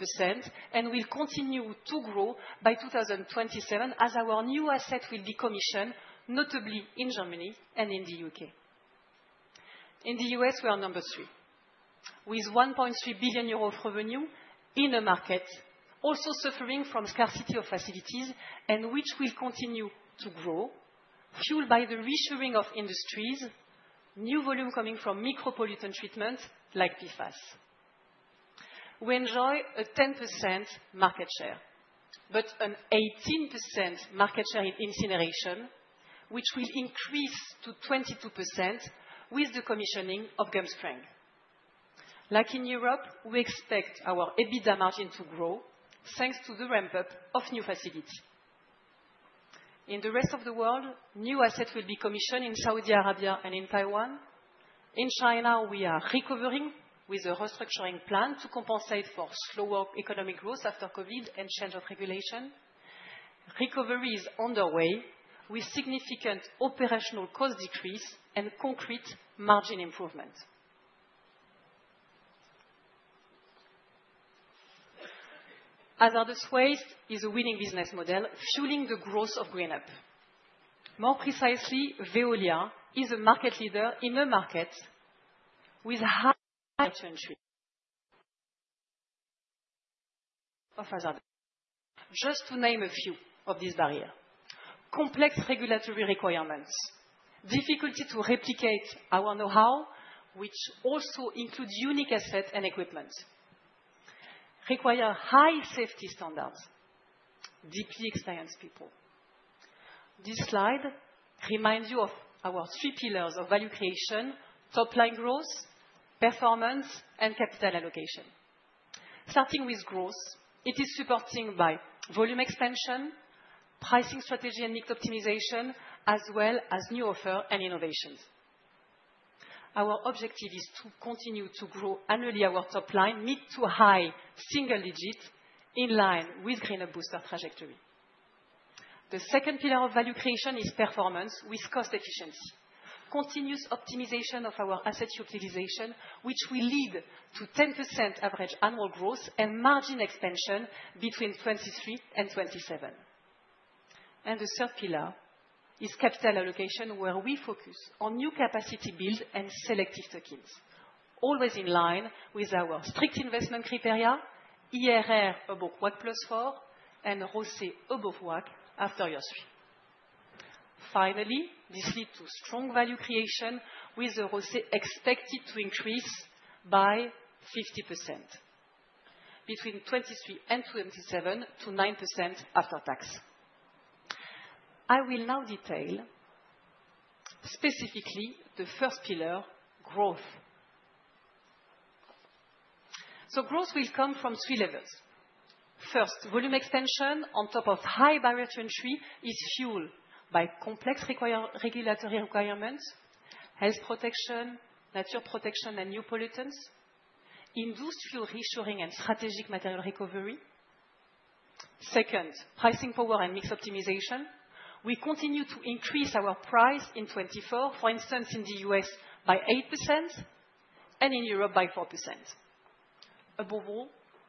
and will continue to grow by 2027 as our new asset will be commissioned, notably in Germany and in the U.K. In the U.S., we are number three with 1.3 billion euros revenue in a market also suffering from scarcity of facilities and which will continue to grow, fueled by the resharing of industries, new volume coming from micropollution treatments like PFAS. We enjoy a 10% market share, but an 18% market share in incineration, which will increase to 22% with the commissioning of Gulfstream. Like in Europe, we expect our EBITDA margin to grow thanks to the ramp-up of new facilities. In the rest of the world, new assets will be commissioned in Saudi Arabia and in Taiwan. In China, we are recovering with a restructuring plan to compensate for slower economic growth after COVID and change of regulation. Recovery is underway with significant operational cost decrease and concrete margin improvement. Hazardous waste is a winning business model, fueling the growth of GreenUp. More precisely, Veolia is a market leader in a market with higher entry of hazards. Just to name a few of these barriers: complex regulatory requirements, difficulty to replicate our know-how, which also includes unique assets and equipment, require high safety standards, deeply experienced people. This slide reminds you of our three pillars of value creation: top-line growth, performance, and capital allocation. Starting with growth, it is supported by volume expansion, pricing strategy, and mix optimization, as well as new offers and innovations. Our objective is to continue to grow annually our top-line, mid-to-high single-digit in line with GreenUp booster trajectory. The second pillar of value creation is performance with cost efficiency, continuous optimization of our asset utilization, which will lead to 10% average annual growth and margin expansion between 2023 and 2027. The third pillar is capital allocation, where we focus on new capacity builds and selective tokens, always in line with our strict investment criteria, IRR above WACC+4 and ROCE above WACC after year three. Finally, this leads to strong value creation with ROCE expected to increase by 50% between 2023 and 2027 to 9% after tax. I will now detail specifically the first pillar, growth. Growth will come from three levels. First, volume expansion on top of high barrier to entry is fueled by complex regulatory requirements: health protection, nature protection, and new pollutants, industrial reshoring, and strategic material recovery. Second, pricing power and mix optimization. We continue to increase our price in 2024, for instance, in the U.S. by 8% and in Europe by 4%. Above all,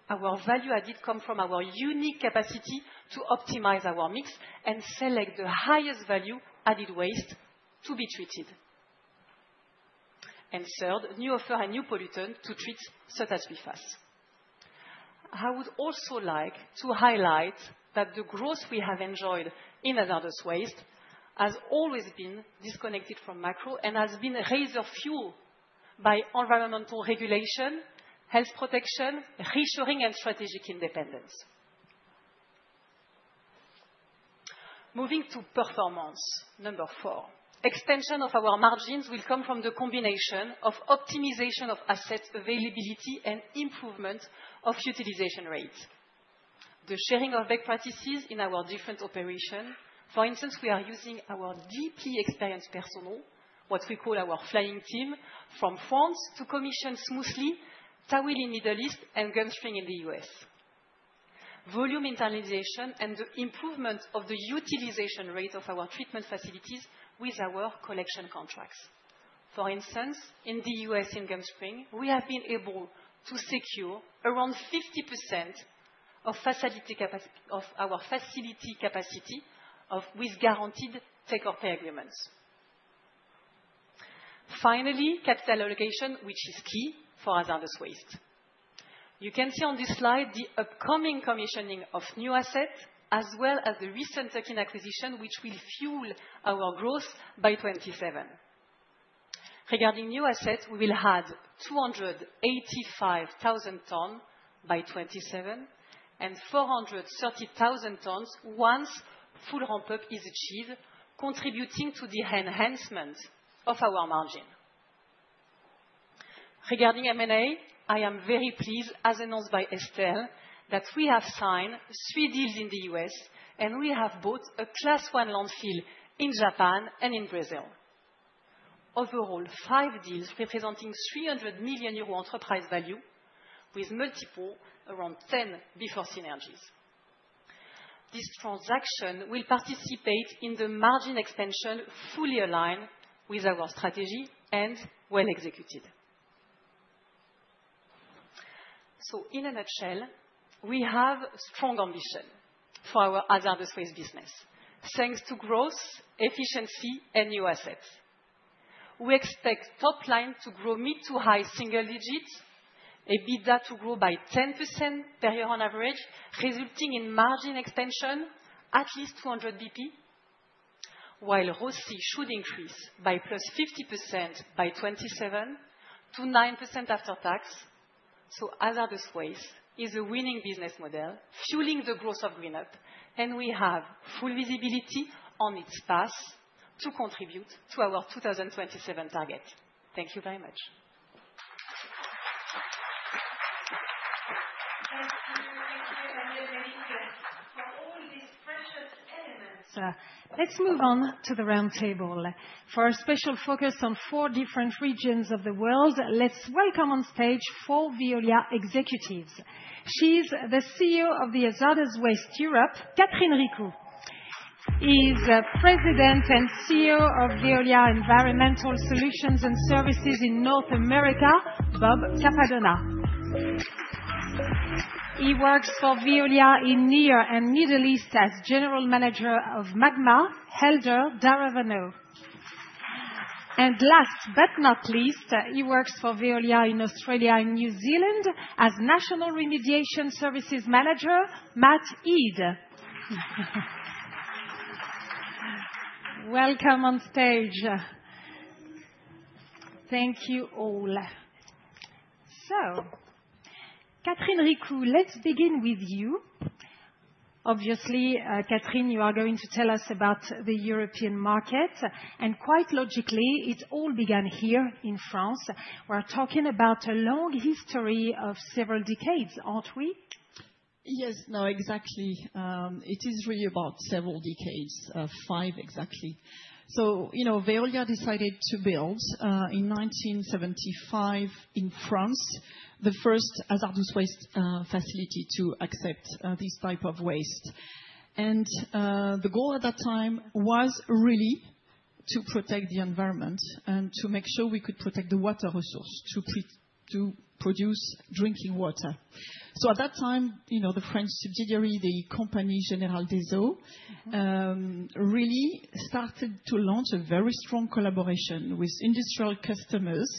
our value added comes from our unique capacity to optimize our mix and select the highest value-added waste to be treated. Third, new offer and new pollutant to treat such as PFAS. I would also like to highlight that the growth we have enjoyed in hazardous waste has always been disconnected from macro and has been razor fueled by environmental regulation, health protection, reshoring, and strategic independence. Moving to performance, number four, extension of our margins will come from the combination of optimization of asset availability and improvement of utilization rates. The sharing of best practices in our different operations, for instance, we are using our deeply experienced personnel, what we call our flying team, from France to commission smoothly Tahwil in the Middle East and Gulfstream in the U.S. Volume internalization and the improvement of the utilization rate of our treatment facilities with our collection contracts. For instance, in the U.S., in Gulfstream, we have been able to secure around 50% of our facility capacity with guaranteed take-or-pay agreements. Finally, capital allocation, which is key for hazardous waste. You can see on this slide the upcoming commissioning of new assets, as well as the recent token acquisition, which will fuel our growth by 2027. Regarding new assets, we will add 285,000 tons by 2027 and 430,000 tons once full ramp-up is achieved, contributing to the enhancement of our margin. Regarding M&A, I am very pleased, as announced by Estelle, that we have signed three deals in the U.S. and we have bought a class one landfill in Japan and in Brazil. Overall, five deals representing 300 million euro enterprise value with multiple around 10 before synergies. This transaction will participate in the margin expansion fully aligned with our strategy and well executed. In a nutshell, we have strong ambition for our hazardous waste business thanks to growth, efficiency, and new assets. We expect top-line to grow mid to high single-digit, EBITDA to grow by 10% per year on average, resulting in margin expansion at least 200 basis points, while ROCE should increase by +50% by 2027 to 9% after tax. Hazardous waste is a winning business model fueling the growth of GreenUp, and we have full visibility on its path to contribute to our 2027 target. Thank you very much. Thank you. Thank you, Emily, and you for all these precious elements. Let's move on to the roundtable. For a special focus on four different regions of the world, let's welcome on stage four Veolia executives. She's the CEO of Hazardous Waste Europe, Catherine Ricou. He's President and CEO of Veolia Environmental Solutions and Services in North America, Bob Cappadonna. He works for Veolia in Near and Middle East as General Manager of MAGMA, Helder Daravano. And last but not least, he works for Veolia in Australia and New Zealand as National Remediation Services Manager, Matt Ead. Welcome on stage. Thank you all. Catherine Ricou, let's begin with you. Obviously, Catherine, you are going to tell us about the European market. And quite logically, it all began here in France. We're talking about a long history of several decades, aren't we? Yes, no, exactly. It is really about several decades, five exactly. You know, Veolia decided to build in 1975 in France the first hazardous waste facility to accept this type of waste. The goal at that time was really to protect the environment and to make sure we could protect the water resource to produce drinking water. At that time, you know, the French subsidiary, the company [General Déseau], really started to launch a very strong collaboration with industrial customers,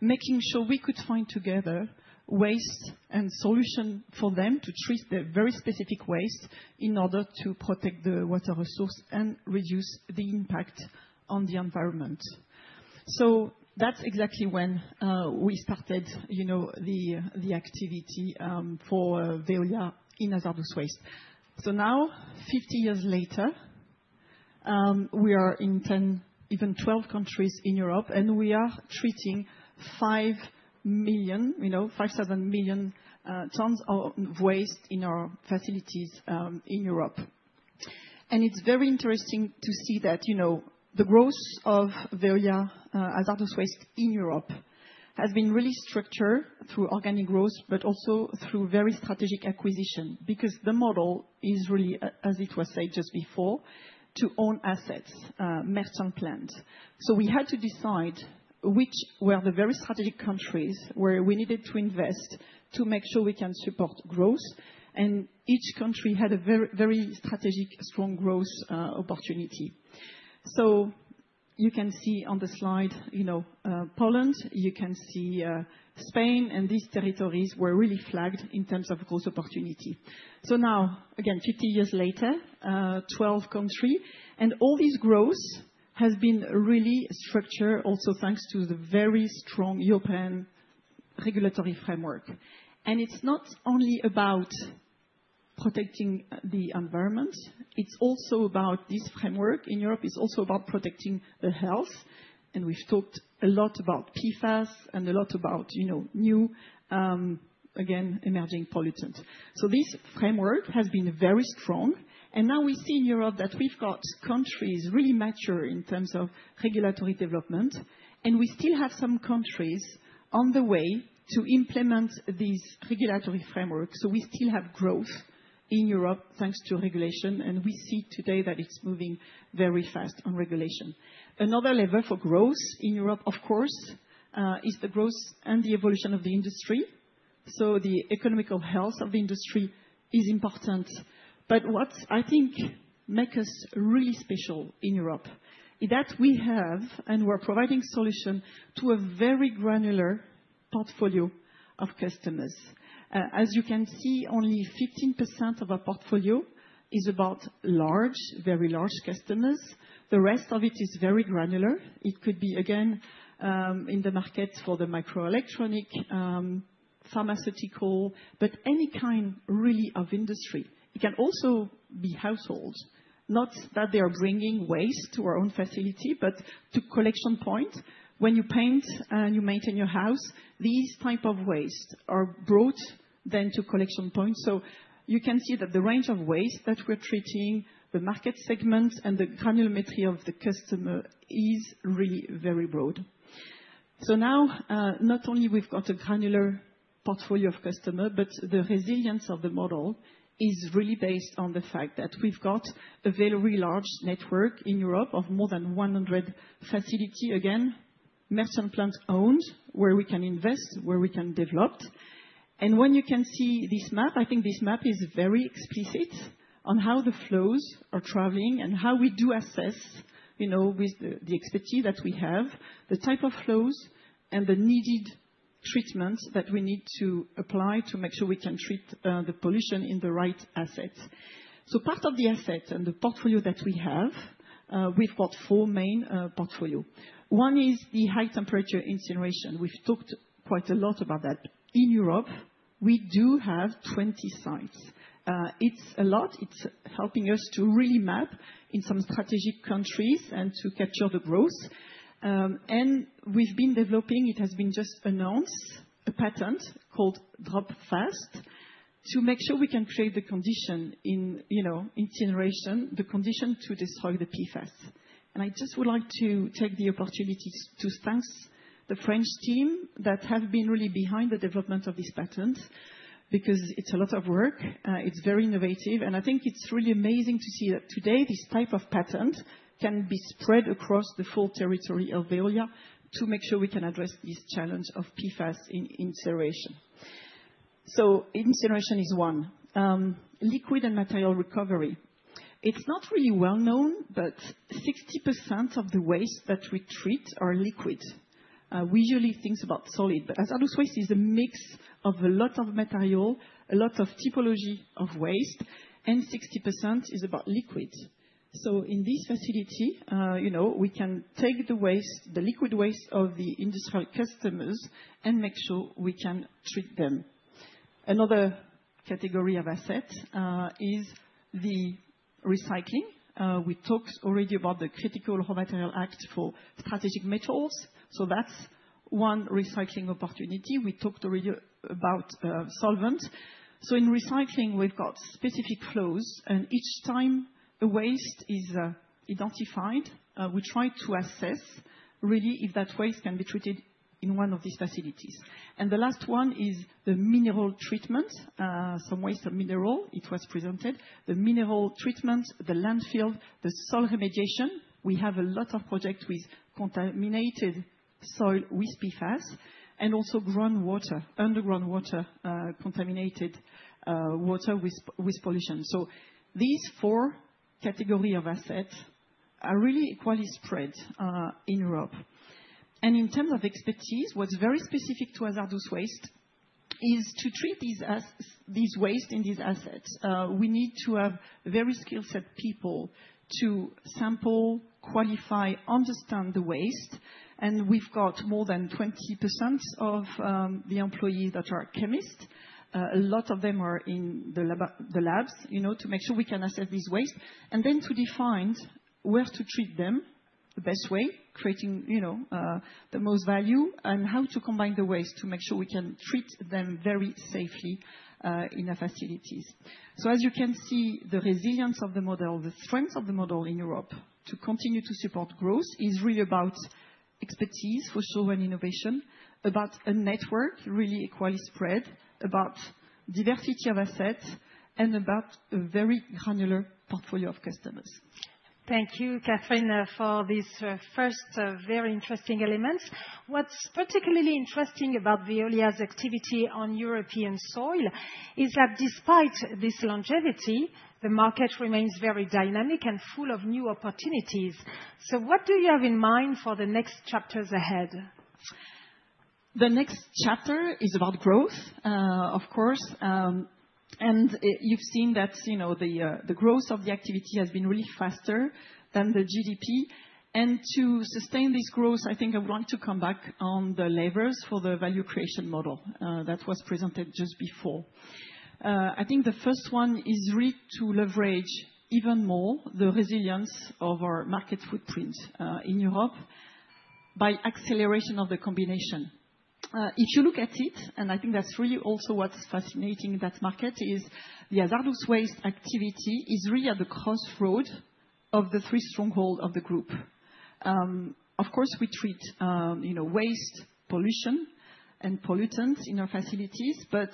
making sure we could find together waste and solution for them to treat the very specific waste in order to protect the water resource and reduce the impact on the environment. That's exactly when we started, you know, the activity for Veolia in hazardous waste. Now, 50 years later, we are in 10, even 12 countries in Europe, and we are treating 5 million, you know, 5,000 million tons of waste in our facilities in Europe. It's very interesting to see that, you know, the growth of Veolia hazardous waste in Europe has been really structured through organic growth, but also through very strategic acquisition, because the model is really, as it was said just before, to own assets, merchant plants. We had to decide which were the very strategic countries where we needed to invest to make sure we can support growth. Each country had a very, very strategic strong growth opportunity. You can see on the slide, you know, Poland, you can see Spain, and these territories were really flagged in terms of growth opportunity. Now, again, 50 years later, 12 countries, and all this growth has been really structured also thanks to the very strong European regulatory framework. It's not only about protecting the environment, it's also about this framework in Europe. It's also about protecting the health. We've talked a lot about PFAS and a lot about, you know, new, again, emerging pollutants. This framework has been very strong. Now we see in Europe that we've got countries really mature in terms of regulatory development. We still have some countries on the way to implement this regulatory framework. We still have growth in Europe thanks to regulation. We see today that it's moving very fast on regulation. Another level for growth in Europe, of course, is the growth and the evolution of the industry. The economical health of the industry is important. What I think makes us really special in Europe is that we have and we're providing solutions to a very granular portfolio of customers. As you can see, only 15% of our portfolio is about large, very large customers. The rest of it is very granular. It could be, again, in the markets for the microelectronic, pharmaceutical, but any kind really of industry. It can also be households, not that they are bringing waste to our own facility, but to collection point. When you paint and you maintain your house, these types of waste are brought then to collection point. You can see that the range of waste that we're treating, the market segment and the granulometry of the customer is really very broad. Now, not only have we got a granular portfolio of customers, but the resilience of the model is really based on the fact that we've got a very large network in Europe of more than 100 facilities, again, merchant plant owned, where we can invest, where we can develop. When you can see this map, I think this map is very explicit on how the flows are traveling and how we do assess, you know, with the expertise that we have, the type of flows and the needed treatments that we need to apply to make sure we can treat the pollution in the right assets. Part of the assets and the portfolio that we have, we've got four main portfolios. One is the high temperature incineration. We've talked quite a lot about that. In Europe, we do have 20 sites. It's a lot. It's helping us to really map in some strategic countries and to capture the growth. We've been developing, it has been just announced, a patent called DropFast to make sure we can create the condition in, you know, incineration, the condition to destroy the PFAS. I just would like to take the opportunity to thank the French team that has been really behind the development of this patent because it's a lot of work. It's very innovative. I think it's really amazing to see that today this type of patent can be spread across the full territory of Veolia to make sure we can address this challenge of PFAS incineration. Incineration is one. Liquid and material recovery. It's not really well known, but 60% of the waste that we treat are liquid. We usually think about solid, but hazardous waste is a mix of a lot of material, a lot of typology of waste, and 60% is about liquid. In this facility, you know, we can take the waste, the liquid waste of the industrial customers and make sure we can treat them. Another category of assets is the recycling. We talked already about the critical raw material act for strategic metals. That's one recycling opportunity. We talked already about solvents. In recycling, we've got specific flows. Each time a waste is identified, we try to assess really if that waste can be treated in one of these facilities. The last one is the mineral treatment, some waste of mineral. It was presented. The mineral treatment, the landfill, the soil remediation. We have a lot of projects with contaminated soil, waste PFAS, and also groundwater, underground water, contaminated water with pollution. These four categories of assets are really equally spread in Europe. In terms of expertise, what's very specific to hazardous waste is to treat these waste in these assets. We need to have very skilled people to sample, qualify, understand the waste. We've got more than 20% of the employees that are chemists. A lot of them are in the labs, you know, to make sure we can assess these waste and then to define where to treat them the best way, creating, you know, the most value and how to combine the waste to make sure we can treat them very safely in our facilities. As you can see, the resilience of the model, the strength of the model in Europe to continue to support growth is really about expertise for show and innovation, about a network really equally spread, about diversity of assets, and about a very granular portfolio of customers. Thank you, Catherine, for these first very interesting elements. What is particularly interesting about Veolia's activity on European soil is that despite this longevity, the market remains very dynamic and full of new opportunities. What do you have in mind for the next chapters ahead? The next chapter is about growth, of course. You have seen that the growth of the activity has been really faster than the GDP. To sustain this growth, I think I would like to come back on the levers for the value creation model that was presented just before. I think the first one is really to leverage even more the resilience of our market footprint in Europe by acceleration of the combination. If you look at it, and I think that's really also what's fascinating, that market is the hazardous waste activity is really at the crossroad of the three strongholds of the group. Of course, we treat, you know, waste, pollution, and pollutants in our facilities, but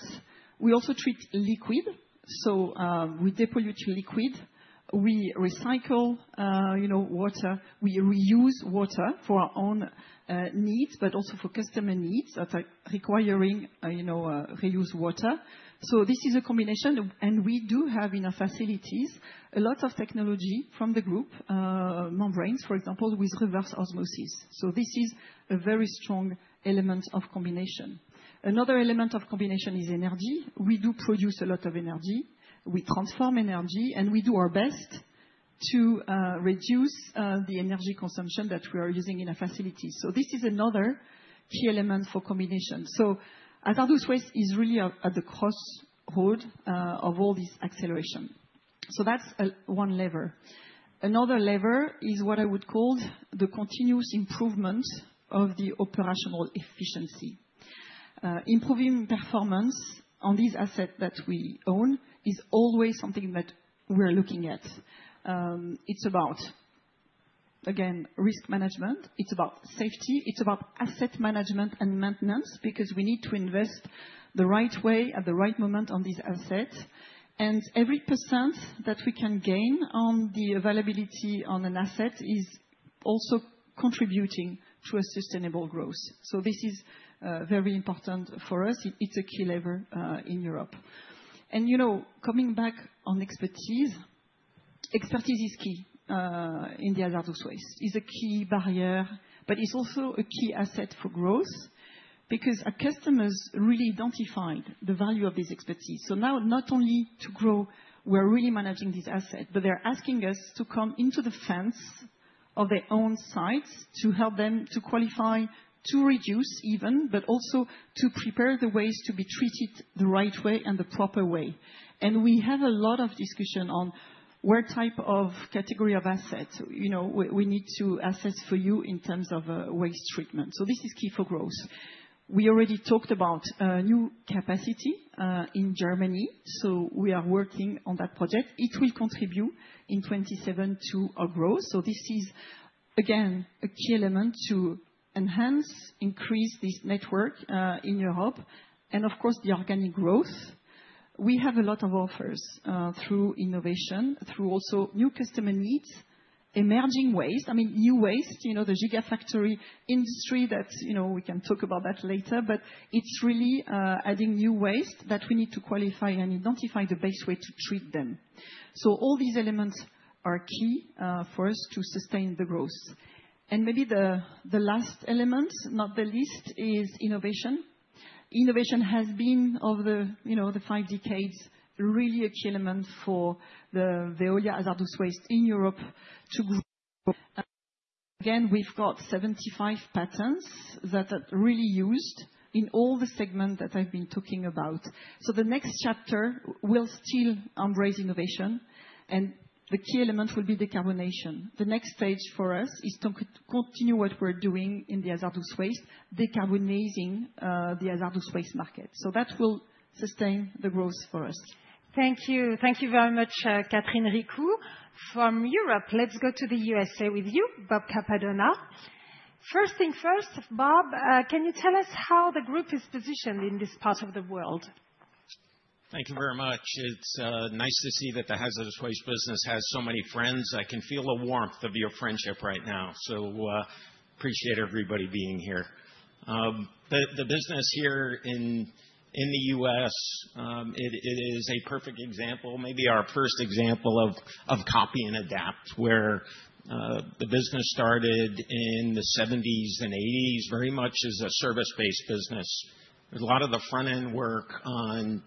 we also treat liquid. We depollute liquid, we recycle, you know, water, we reuse water for our own needs, but also for customer needs that are requiring, you know, reuse water. This is a combination. We do have in our facilities a lot of technology from the group, membranes, for example, with reverse osmosis. This is a very strong element of combination. Another element of combination is energy. We do produce a lot of energy. We transform energy, and we do our best to reduce the energy consumption that we are using in our facilities. This is another key element for combination. Hazardous waste is really at the crossroad of all this acceleration. That's one lever. Another lever is what I would call the continuous improvement of the operational efficiency. Improving performance on these assets that we own is always something that we're looking at. It's about, again, risk management. It's about safety. It's about asset management and maintenance because we need to invest the right way at the right moment on these assets. Every % that we can gain on the availability on an asset is also contributing to a sustainable growth. This is very important for us. It's a key lever in Europe. You know, coming back on expertise, expertise is key in the hazardous waste. It's a key barrier, but it's also a key asset for growth because our customers really identified the value of this expertise. Now not only to grow, we're really managing this asset, but they're asking us to come into the fence of their own sites to help them to qualify, to reduce even, but also to prepare the waste to be treated the right way and the proper way. We have a lot of discussion on what type of category of assets, you know, we need to assess for you in terms of waste treatment. This is key for growth. We already talked about a new capacity in Germany. We are working on that project. It will contribute in 2027 to our growth. This is, again, a key element to enhance, increase this network in Europe and, of course, the organic growth. We have a lot of offers through innovation, through also new customer needs, emerging waste. I mean, new waste, you know, the gigafactory industry that, you know, we can talk about that later, but it's really adding new waste that we need to qualify and identify the best way to treat them. All these elements are key for us to sustain the growth. Maybe the last element, not the least, is innovation. Innovation has been over the, you know, the five decades really a key element for the Veolia hazardous waste in Europe to grow. Again, we've got 75 patents that are really used in all the segments that I've been talking about. The next chapter will still embrace innovation, and the key element will be decarbonation. The next stage for us is to continue what we're doing in the hazardous waste, decarbonizing the hazardous waste market. That will sustain the growth for us. Thank you. Thank you very much, Catherine Ricou. From Europe, let's go to the U.S. with you, Bob Cappadonna. First thing first, Bob, can you tell us how the group is positioned in this part of the world? Thank you very much. It's nice to see that the hazardous waste business has so many friends. I can feel the warmth of your friendship right now. I appreciate everybody being here. The business here in the U.S., it is a perfect example, maybe our first example of copy and adapt, where the business started in the 1970s and 1980s very much as a service-based business. There's a lot of the front-end work on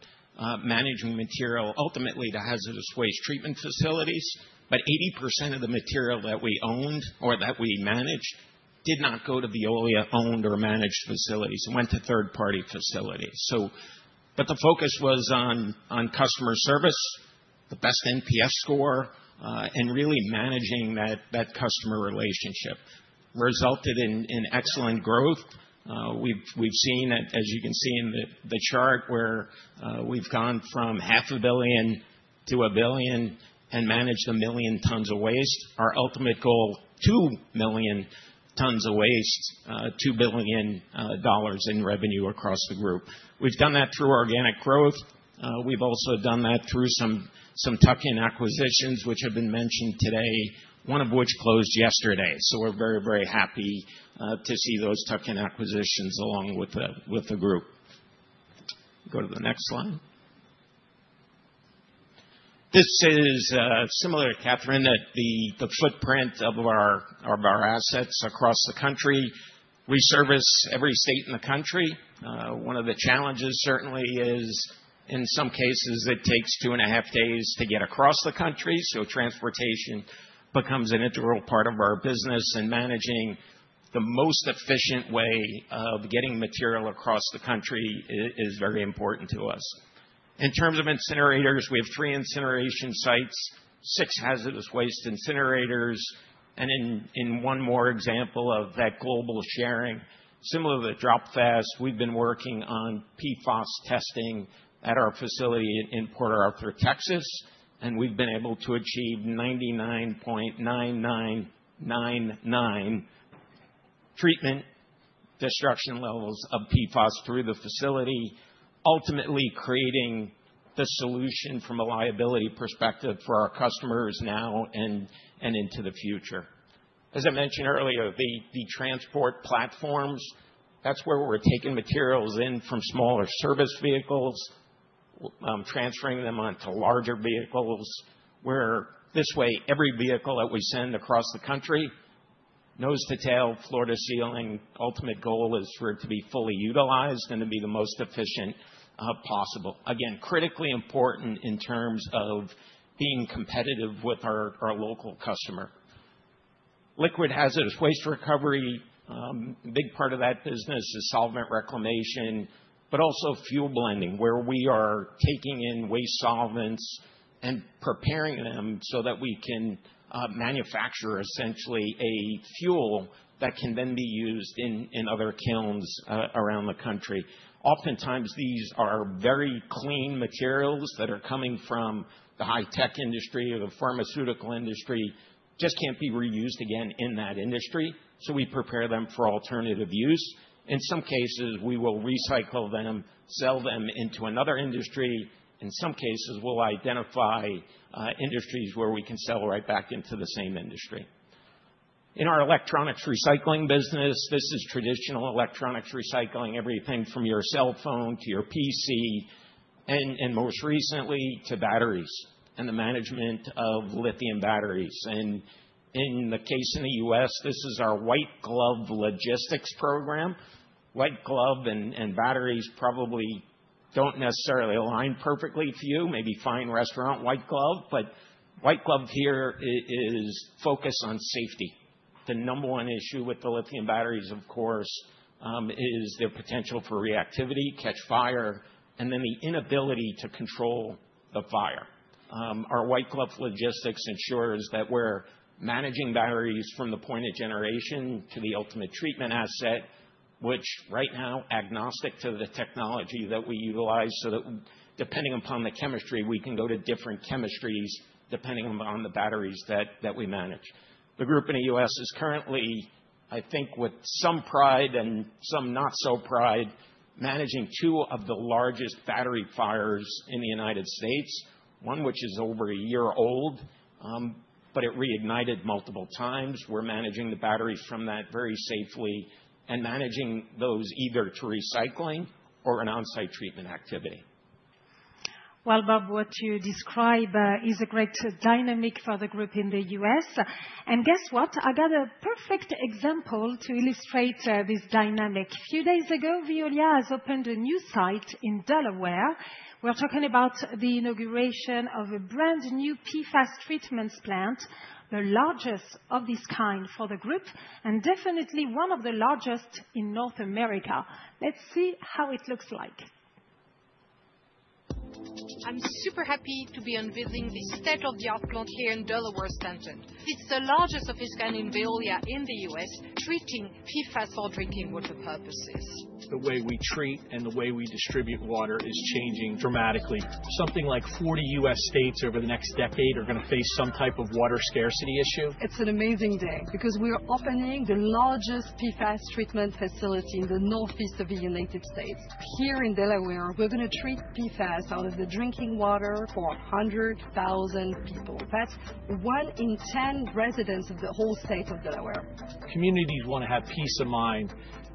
managing material, ultimately the hazardous waste treatment facilities, but 80% of the material that we owned or that we managed did not go to Veolia-owned or managed facilities and went to third-party facilities. The focus was on customer service, the best NPS score, and really managing that customer relationship resulted in excellent growth. We've seen that, as you can see in the chart, where we've gone from $500,000,000 to $1billion and managed 1million tons of waste. Our ultimate goal, 2 million tons of waste, $2 billion in revenue across the group. We've done that through organic growth. We've also done that through some tuck-in acquisitions, which have been mentioned today, one of which closed yesterday. We're very, very happy to see those tuck-in acquisitions along with the group. Go to the next slide. This is similar to Catherine, that the footprint of our assets across the country. We service every state in the country. One of the challenges certainly is, in some cases, it takes two and a half days to get across the country. Transportation becomes an integral part of our business, and managing the most efficient way of getting material across the country is very important to us. In terms of incinerators, we have three incineration sites, six hazardous waste incinerators, and in one more example of that global sharing, similar to DropFast, we've been working on PFAS testing at our facility in Port Arthur, Texas, and we've been able to achieve 99.9999% treatment destruction levels of PFAS through the facility, ultimately creating the solution from a liability perspective for our customers now and into the future. As I mentioned earlier, the transport platforms, that's where we're taking materials in from smaller service vehicles, transferring them onto larger vehicles, where this way every vehicle that we send across the country nose to tail, floor to ceiling, ultimate goal is for it to be fully utilized and to be the most efficient possible. Again, critically important in terms of being competitive with our local customer. Liquid hazardous waste recovery, a big part of that business is solvent reclamation, but also fuel blending, where we are taking in waste solvents and preparing them so that we can manufacture essentially a fuel that can then be used in other kilns around the country. Oftentimes, these are very clean materials that are coming from the high-tech industry or the pharmaceutical industry, just can't be reused again in that industry. We prepare them for alternative use. In some cases, we will recycle them, sell them into another industry. In some cases, we'll identify industries where we can sell right back into the same industry. In our electronics recycling business, this is traditional electronics recycling, everything from your cell phone to your PC and most recently to batteries and the management of lithium batteries. In the case in the U.S., this is our white glove logistics program. White glove and batteries probably don't necessarily align perfectly for you, maybe fine restaurant white glove, but white glove here is focused on safety. The number one issue with the lithium batteries, of course, is their potential for reactivity, catch fire, and then the inability to control the fire. Our white glove logistics ensures that we're managing batteries from the point of generation to the ultimate treatment asset, which right now, agnostic to the technology that we utilize, so that depending upon the chemistry, we can go to different chemistries depending upon the batteries that we manage. The group in the U.S. is currently, I think with some pride and some not so pride, managing two of the largest battery fires in the United States, one which is over a year old, but it reignited multiple times. We're managing the batteries from that very safely and managing those either to recycling or an onsite treatment activity. Bob, what you describe is a great dynamic for the group in the U.S. Guess what? I got a perfect example to illustrate this dynamic. A few days ago, Veolia has opened a new site in Delaware. We're talking about the inauguration of a brand new PFAS treatment plant, the largest of this kind for the group and definitely one of the largest in North America. Let's see how it looks like. I'm super happy to be unveiling this state-of-the-art plant here in Delaware, Stanton. It's the largest of its kind in Veolia in the U.S., treating PFAS for drinking water purposes. The way we treat and the way we distribute water is changing dramatically. Something like 40 U.S. states over the next decade are going to face some type of water scarcity issue. It's an amazing day because we're opening the largest PFAS treatment facility in the northeast of the United States. Here in Delaware, we're going to treat PFAS out of the drinking water for 100,000 people. That's one in ten residents of the whole state of Delaware. Communities want to have peace of mind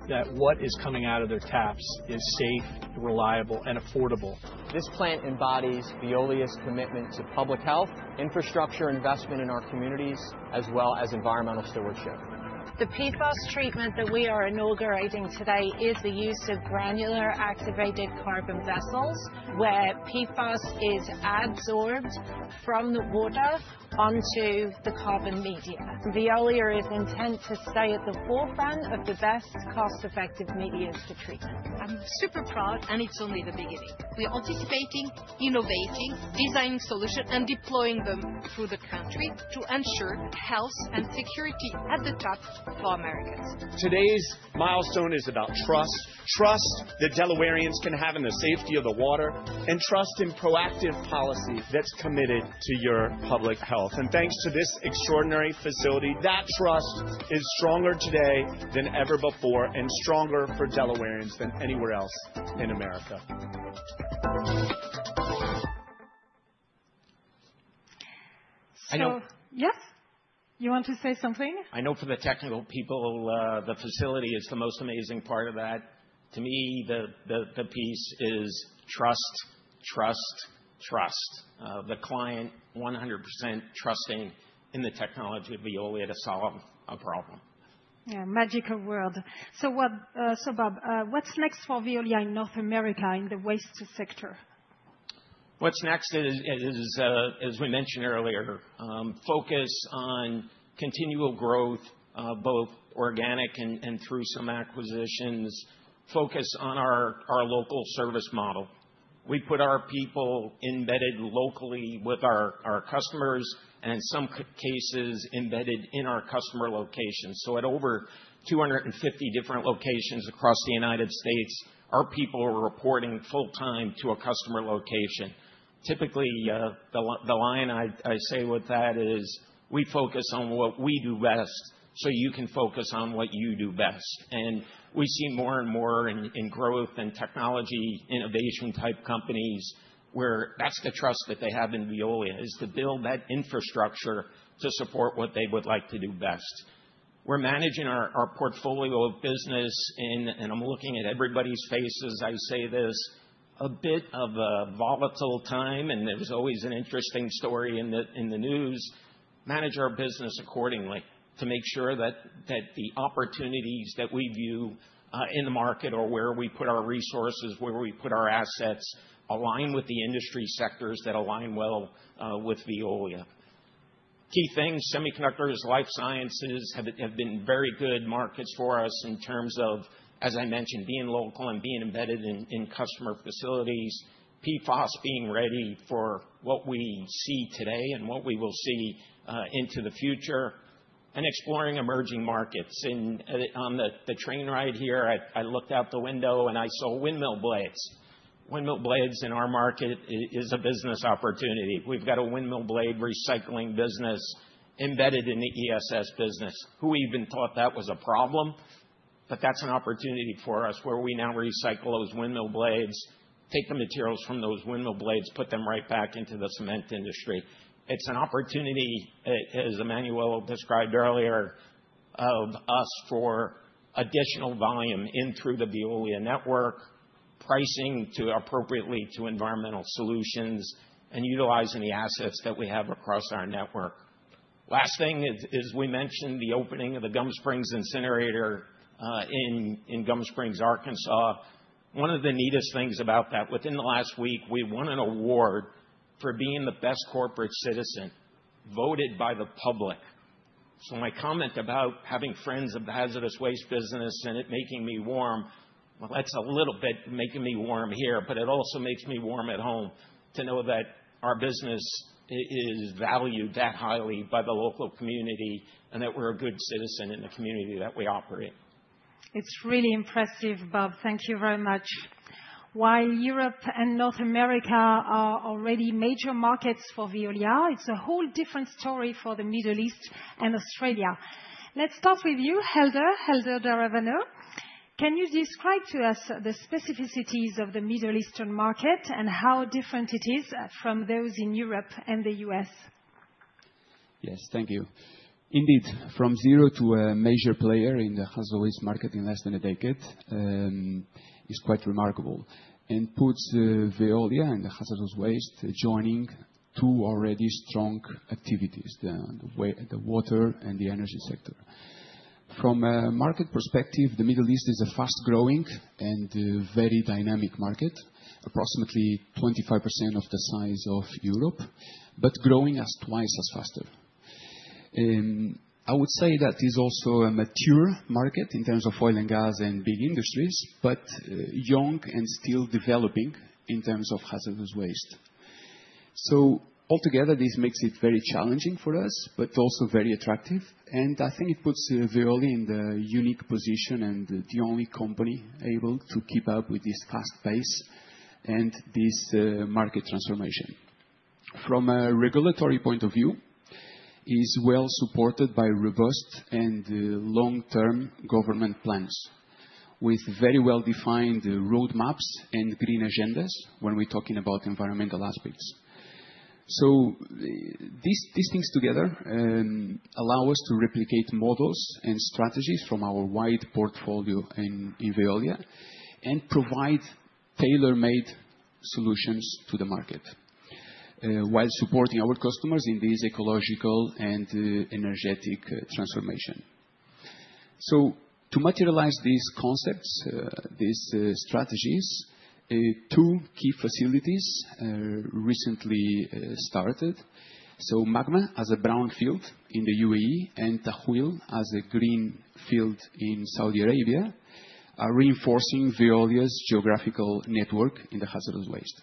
that what is coming out of their taps is safe, reliable, and affordable. This plant embodies Veolia's commitment to public health, infrastructure investment in our communities, as well as environmental stewardship. The PFAS treatment that we are inaugurating today is the use of granular activated carbon vessels where PFAS is absorbed from the water onto the carbon media. Veolia is intent to stay at the forefront of the best cost-effective mediums for treatment. I'm super proud, and it's only the beginning. We are anticipating, innovating, designing solutions, and deploying them through the country to ensure health and security at the top for Americans. Today's milestone is about trust, trust that Delawareans can have in the safety of the water, and trust in proactive policy that's committed to your public health. Thanks to this extraordinary facility, that trust is stronger today than ever before and stronger for Delawareans than anywhere else in America. Yes, you want to say something? I know for the technical people, the facility is the most amazing part of that. To me, the piece is trust, trust, trust. The client 100% trusting in the technology of Veolia to solve a problem. Yeah, magical world. Bob, what's next for Veolia in North America in the waste sector? What's next is, as we mentioned earlier, focus on continual growth, both organic and through some acquisitions, focus on our local service model. We put our people embedded locally with our customers and in some cases embedded in our customer locations. At over 250 different locations across the United States, our people are reporting full-time to a customer location. Typically, the line I say with that is we focus on what we do best so you can focus on what you do best. We see more and more in growth and technology innovation type companies where that's the trust that they have in Veolia is to build that infrastructure to support what they would like to do best. We're managing our portfolio of business, and I'm looking at everybody's face as I say this, a bit of a volatile time, and there is always an interesting story in the news. Manage our business accordingly to make sure that the opportunities that we view in the market or where we put our resources, where we put our assets align with the industry sectors that align well with Veolia. Key things, semiconductors, life sciences have been very good markets for us in terms of, as I mentioned, being local and being embedded in customer facilities, PFAS being ready for what we see today and what we will see into the future, and exploring emerging markets. On the train ride here, I looked out the window and I saw windmill blades. Windmill blades in our market is a business opportunity. We have got a windmill blade recycling business embedded in the ESS business. Who even thought that was a problem? That is an opportunity for us where we now recycle those windmill blades, take the materials from those windmill blades, put them right back into the cement industry. It is an opportunity, as Emmanuelle described earlier, of us for additional volume in through the Veolia network, pricing appropriately to environmental solutions and utilizing the assets that we have across our network. Last thing is we mentioned the opening of the Gum Springs Incinerator in Gum Springs, Arkansas. One of the neatest things about that, within the last week, we won an award for being the best corporate citizen voted by the public. My comment about having friends of the hazardous waste business and it making me warm, well, that is a little bit making me warm here, but it also makes me warm at home to know that our business is valued that highly by the local community and that we are a good citizen in the community that we operate. It is really impressive, Bob. Thank you very much. While Europe and North America are already major markets for Veolia, it is a whole different story for the Middle East and Australia. Let's start with you, Helder Daravano. Can you describe to us the specificities of the Middle Eastern market and how different it is from those in Europe and the U.S.? Yes, thank you. Indeed, from zero to a major player in the hazardous waste market in less than a decade is quite remarkable and puts Veolia and the hazardous waste joining two already strong activities, the water and the energy sector. From a market perspective, the Middle East is a fast-growing and very dynamic market, approximately 25% of the size of Europe, but growing twice as fast. I would say that is also a mature market in terms of oil and gas and big industries, but young and still developing in terms of hazardous waste. Altogether, this makes it very challenging for us, but also very attractive. I think it puts Veolia in the unique position and the only company able to keep up with this fast pace and this market transformation. From a regulatory point of view, it is well supported by robust and long-term government plans with very well-defined roadmaps and green agendas when we're talking about environmental aspects. These things together allow us to replicate models and strategies from our wide portfolio in Veolia and provide tailor-made solutions to the market while supporting our customers in this ecological and energetic transformation. To materialize these concepts, these strategies, two key facilities recently started. MAGMA as a brownfield in the UAE and Tahwil as a greenfield in Saudi Arabia are reinforcing Veolia's geographical network in the hazardous waste.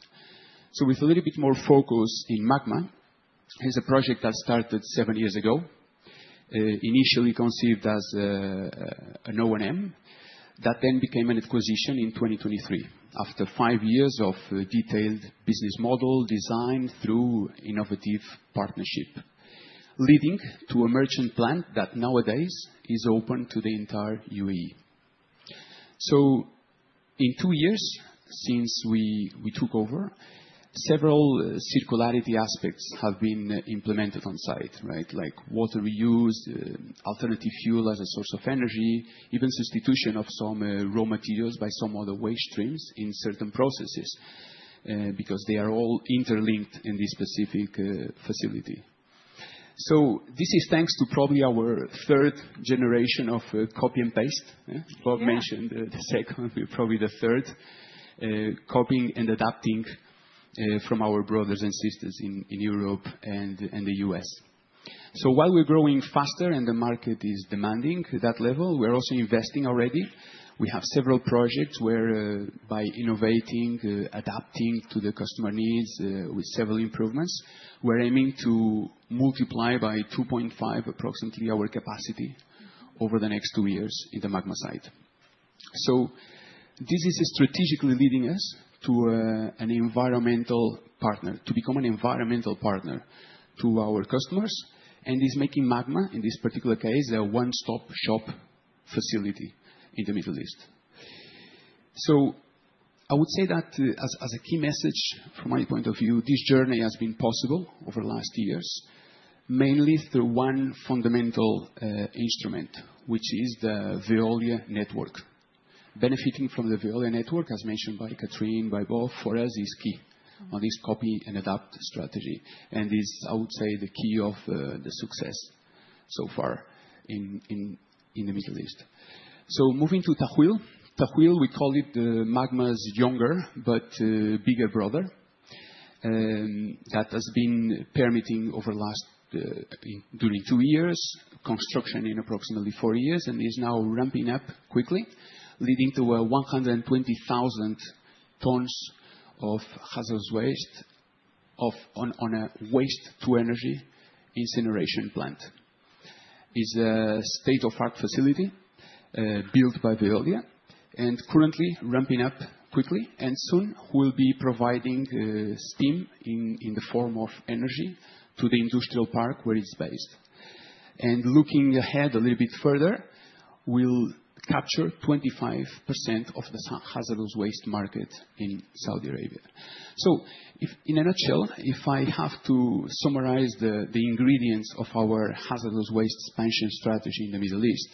With a little bit more focus in MAGMA, it's a project that started seven years ago, initially conceived as an O&M that then became an acquisition in 2023 after five years of detailed business model design through innovative partnership, leading to a merchant plant that nowadays is open to the entire UAE. In two years since we took over, several circularity aspects have been implemented on site, right? Like water reuse, alternative fuel as a source of energy, even substitution of some raw materials by some other waste streams in certain processes because they are all interlinked in this specific facility. This is thanks to probably our third generation of copy and paste. Bob mentioned the second, probably the third, copying and adapting from our brothers and sisters in Europe and the U.S. While we're growing faster and the market is demanding that level, we're also investing already. We have several projects where, by innovating, adapting to the customer needs with several improvements, we're aiming to multiply by 2.5 approximately our capacity over the next two years in the MAGMA site. This is strategically leading us to an environmental partner, to become an environmental partner to our customers, and is making MAGMA, in this particular case, a one-stop shop facility in the Middle East. I would say that as a key message from my point of view, this journey has been possible over the last years, mainly through one fundamental instrument, which is the Veolia network. Benefiting from the Veolia network, as mentioned by Catherine, by Bob, for us is key on this copy and adapt strategy, and is, I would say, the key of the success so far in the Middle East. Moving to Tahwil. Tahwil, we call it MAGMA's younger but bigger brother that has been permitting over the last, during two years, construction in approximately four years, and is now ramping up quickly, leading to 120,000 tons of hazardous waste on a waste-to-energy incineration plant. It's a state-of-the-art facility built by Veolia and currently ramping up quickly, and soon we'll be providing steam in the form of energy to the industrial park where it's based. Looking ahead a little bit further, we'll capture 25% of the hazardous waste market in Saudi Arabia. In a nutshell, if I have to summarize the ingredients of our hazardous waste expansion strategy in the Middle East,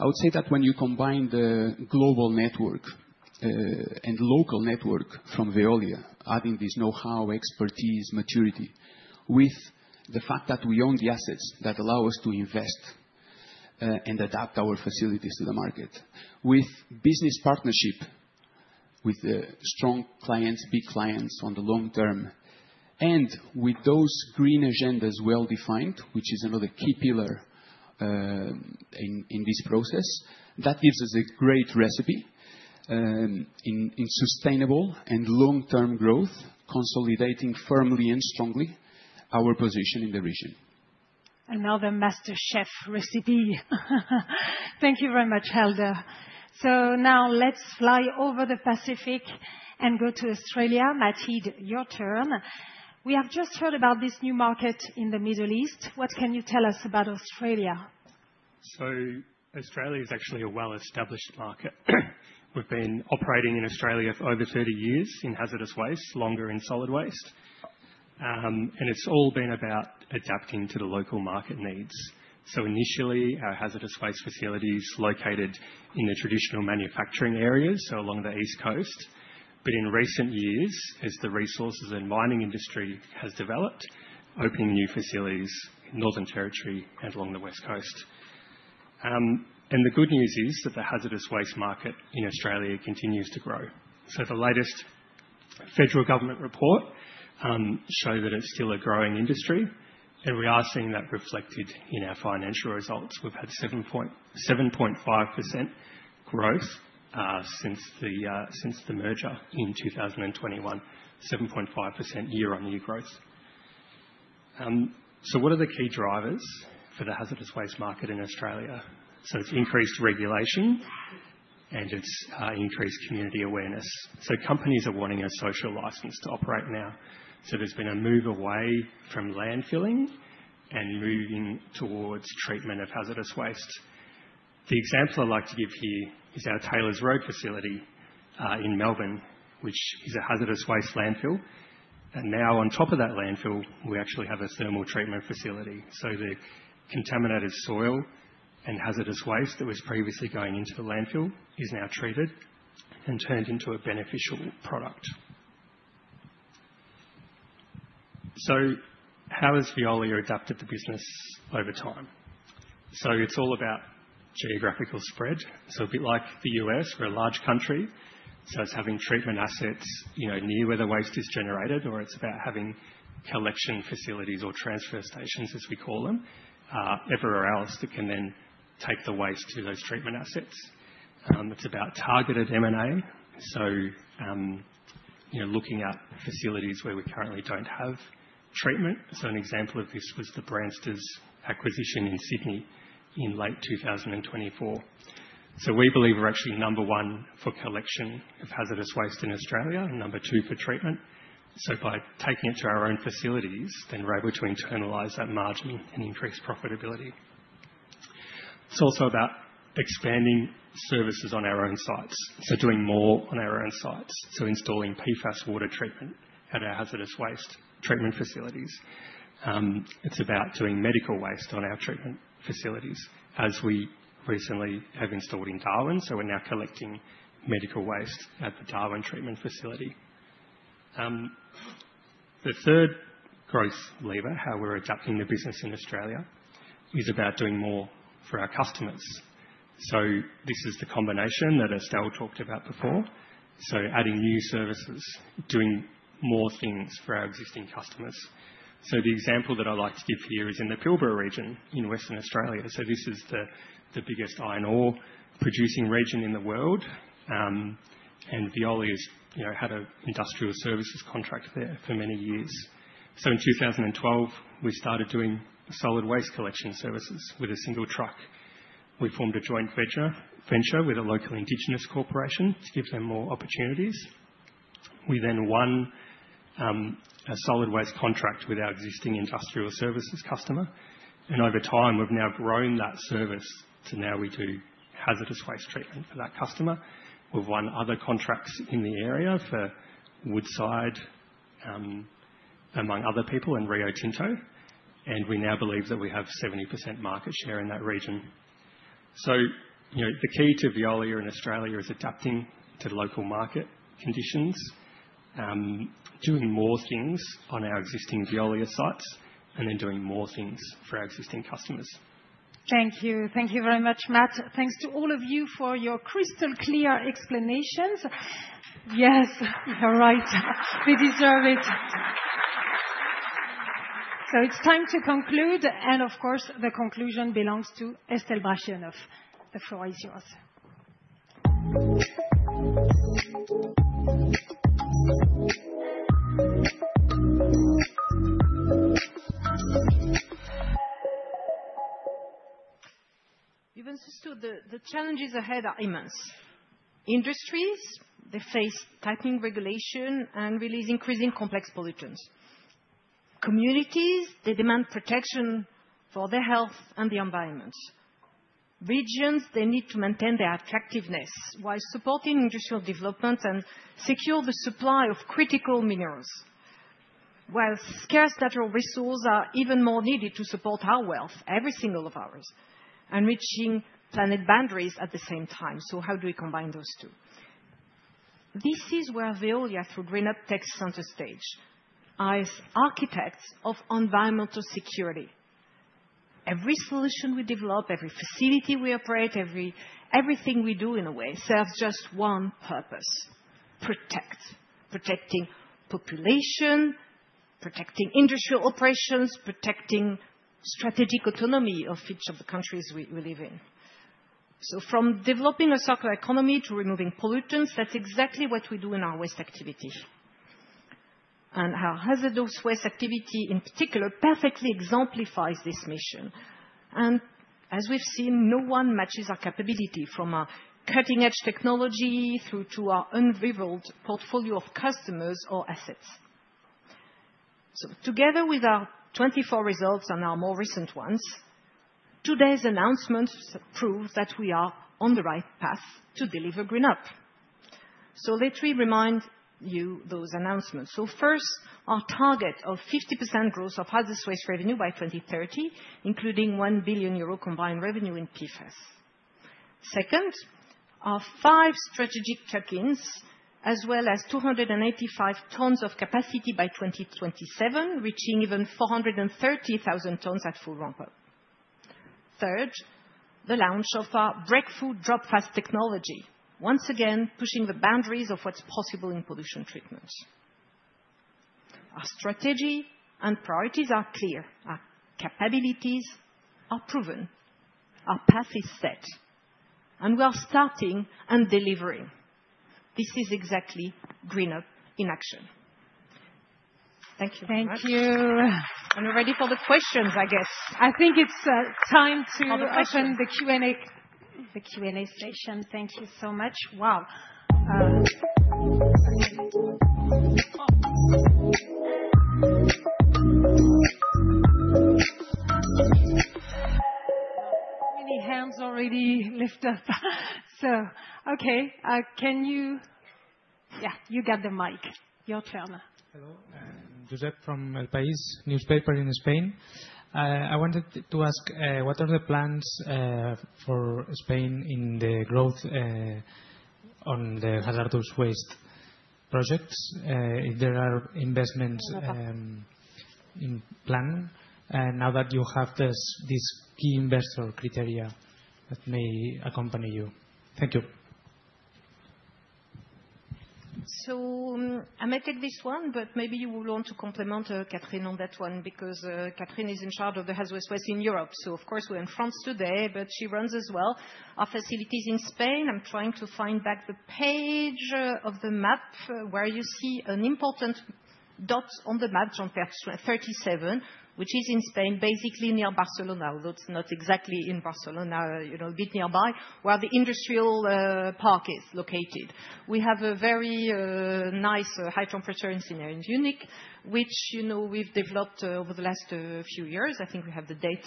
I would say that when you combine the global network and local network from Veolia, adding this know-how, expertise, maturity with the fact that we own the assets that allow us to invest and adapt our facilities to the market, with business partnership, with strong clients, big clients on the long term, and with those green agendas well-defined, which is another key pillar in this process, that gives us a great recipe in sustainable and long-term growth, consolidating firmly and strongly our position in the region. Another master chef recipe. Thank you very much, Helder. Now let's fly over the Pacific and go to Australia. Matt, your turn. We have just heard about this new market in the Middle East. What can you tell us about Australia? Australia is actually a well-established market. We've been operating in Australia for over 30 years in hazardous waste, longer in solid waste. It's all been about adapting to the local market needs. Initially, our hazardous waste facilities were located in the traditional manufacturing areas, along the East Coast. In recent years, as the resources and mining industry has developed, we have opened new facilities in Northern Territory and along the West Coast. The good news is that the hazardous waste market in Australia continues to grow. The latest federal government report showed that it's still a growing industry, and we are seeing that reflected in our financial results. We've had 7.5% growth since the merger in 2021, 7.5% year-on-year growth. What are the key drivers for the hazardous waste market in Australia? It's increased regulation and it's increased community awareness. Companies are wanting a social license to operate now. There has been a move away from landfilling and moving towards treatment of hazardous waste. The example I'd like to give here is our Taylor's Road facility in Melbourne, which is a hazardous waste landfill. Now, on top of that landfill, we actually have a thermal treatment facility. The contaminated soil and hazardous waste that was previously going into the landfill is now treated and turned into a beneficial product. How has Veolia adapted the business over time? It's all about geographical spread. A bit like the U.S., we're a large country. It's having treatment assets near where the waste is generated, or it's about having collection facilities or transfer stations, as we call them, everywhere else that can then take the waste to those treatment assets. It's about targeted M&A. Looking at facilities where we currently do not have treatment, an example of this was the Bramsters acquisition in Sydney in late 2024. We believe we are actually number one for collection of hazardous waste in Australia and number two for treatment. By taking it to our own facilities, we are able to internalize that margin and increase profitability. It is also about expanding services on our own sites, doing more on our own sites, installing PFAS water treatment at our hazardous waste treatment facilities. It is about doing medical waste on our treatment facilities, as we recently have installed in Darwin. We are now collecting medical waste at the Darwin treatment facility. The third growth lever, how we are adapting the business in Australia, is about doing more for our customers. This is the combination that Estelle talked about before. Adding new services, doing more things for our existing customers. The example that I'd like to give here is in the Pilbara region in Western Australia. This is the biggest iron ore-producing region in the world, and Veolia had an industrial services contract there for many years. In 2012, we started doing solid waste collection services with a single truck. We formed a joint venture with a local indigenous corporation to give them more opportunities. We then won a solid waste contract with our existing industrial services customer. Over time, we've now grown that service to now we do hazardous waste treatment for that customer. We've won other contracts in the area for Woodside, among other people, and Rio Tinto. We now believe that we have 70% market share in that region. So, the key to Veolia in Australia is adapting to local market conditions, doing more things on our existing Veolia sites, and then doing more things for our existing customers. Thank you. Thank you very much, Matt. Thanks to all of you for your crystal clear explanations. Yes, you're right. They deserve it. It's time to conclude. Of course, the conclusion belongs to Estelle Brachlianoff. The floor is yours. Even so, the challenges ahead are immense. Industries, they face tightening regulation and really increasing complex pollutants. Communities, they demand protection for their health and the environment. Regions, they need to maintain their attractiveness while supporting industrial development and secure the supply of critical minerals, while scarce natural resources are even more needed to support our wealth, every single one of ours, and reaching planet boundaries at the same time. How do we combine those two? This is where Veolia, through GreenUp Tech's center stage, as architects of environmental security, every solution we develop, every facility we operate, everything we do in a way serves just one purpose: protect. Protecting population, protecting industrial operations, protecting strategic autonomy of each of the countries we live in. From developing a circular economy to removing pollutants, that is exactly what we do in our waste activity. Our hazardous waste activity in particular perfectly exemplifies this mission. As we have seen, no one matches our capability from our cutting-edge technology through to our unrivaled portfolio of customers or assets. Together with our 2024 results and our more recent ones, today's announcements prove that we are on the right path to deliver GreenUp. Let me remind you of those announcements. First, our target of 50% growth of hazardous waste revenue by 2030, including 1 billion euro combined revenue in PFAS. Second, our five strategic check-ins, as well as 285,000 tons of capacity by 2027, reaching even 430,000 tons at full ramp-up. Third, the launch of our breakthrough DropFast technology, once again pushing the boundaries of what's possible in pollution treatments. Our strategy and priorities are clear. Our capabilities are proven. Our path is set. We are starting and delivering. This is exactly GreenUp in action. Thank you. Thank you. We are ready for the questions, I guess. I think it's time to open the Q&A session. Thank you so much. Wow. Many hands already lift up. Okay. Can you? Yeah, you got the mic. Your turn. Hello. Josep from El País, newspaper in Spain. I wanted to ask, what are the plans for Spain in the growth on the hazardous waste projects? If there are investments in plan, now that you have this key investor criteria that may accompany you. Thank you. I may take this one, but maybe you will want to complement, Catherine, on that one because Catherine is in charge of the hazardous waste in Europe. Of course, we're in France today, but she runs as well our facilities in Spain. I'm trying to find back the page of the map where you see an important dot on the map, Jean-Pierre, 37, which is in Spain, basically near Barcelona, although it's not exactly in Barcelona, a bit nearby, where the industrial park is located. We have a very nice high temperature incinerator in Munich, which we've developed over the last few years. I think we have the date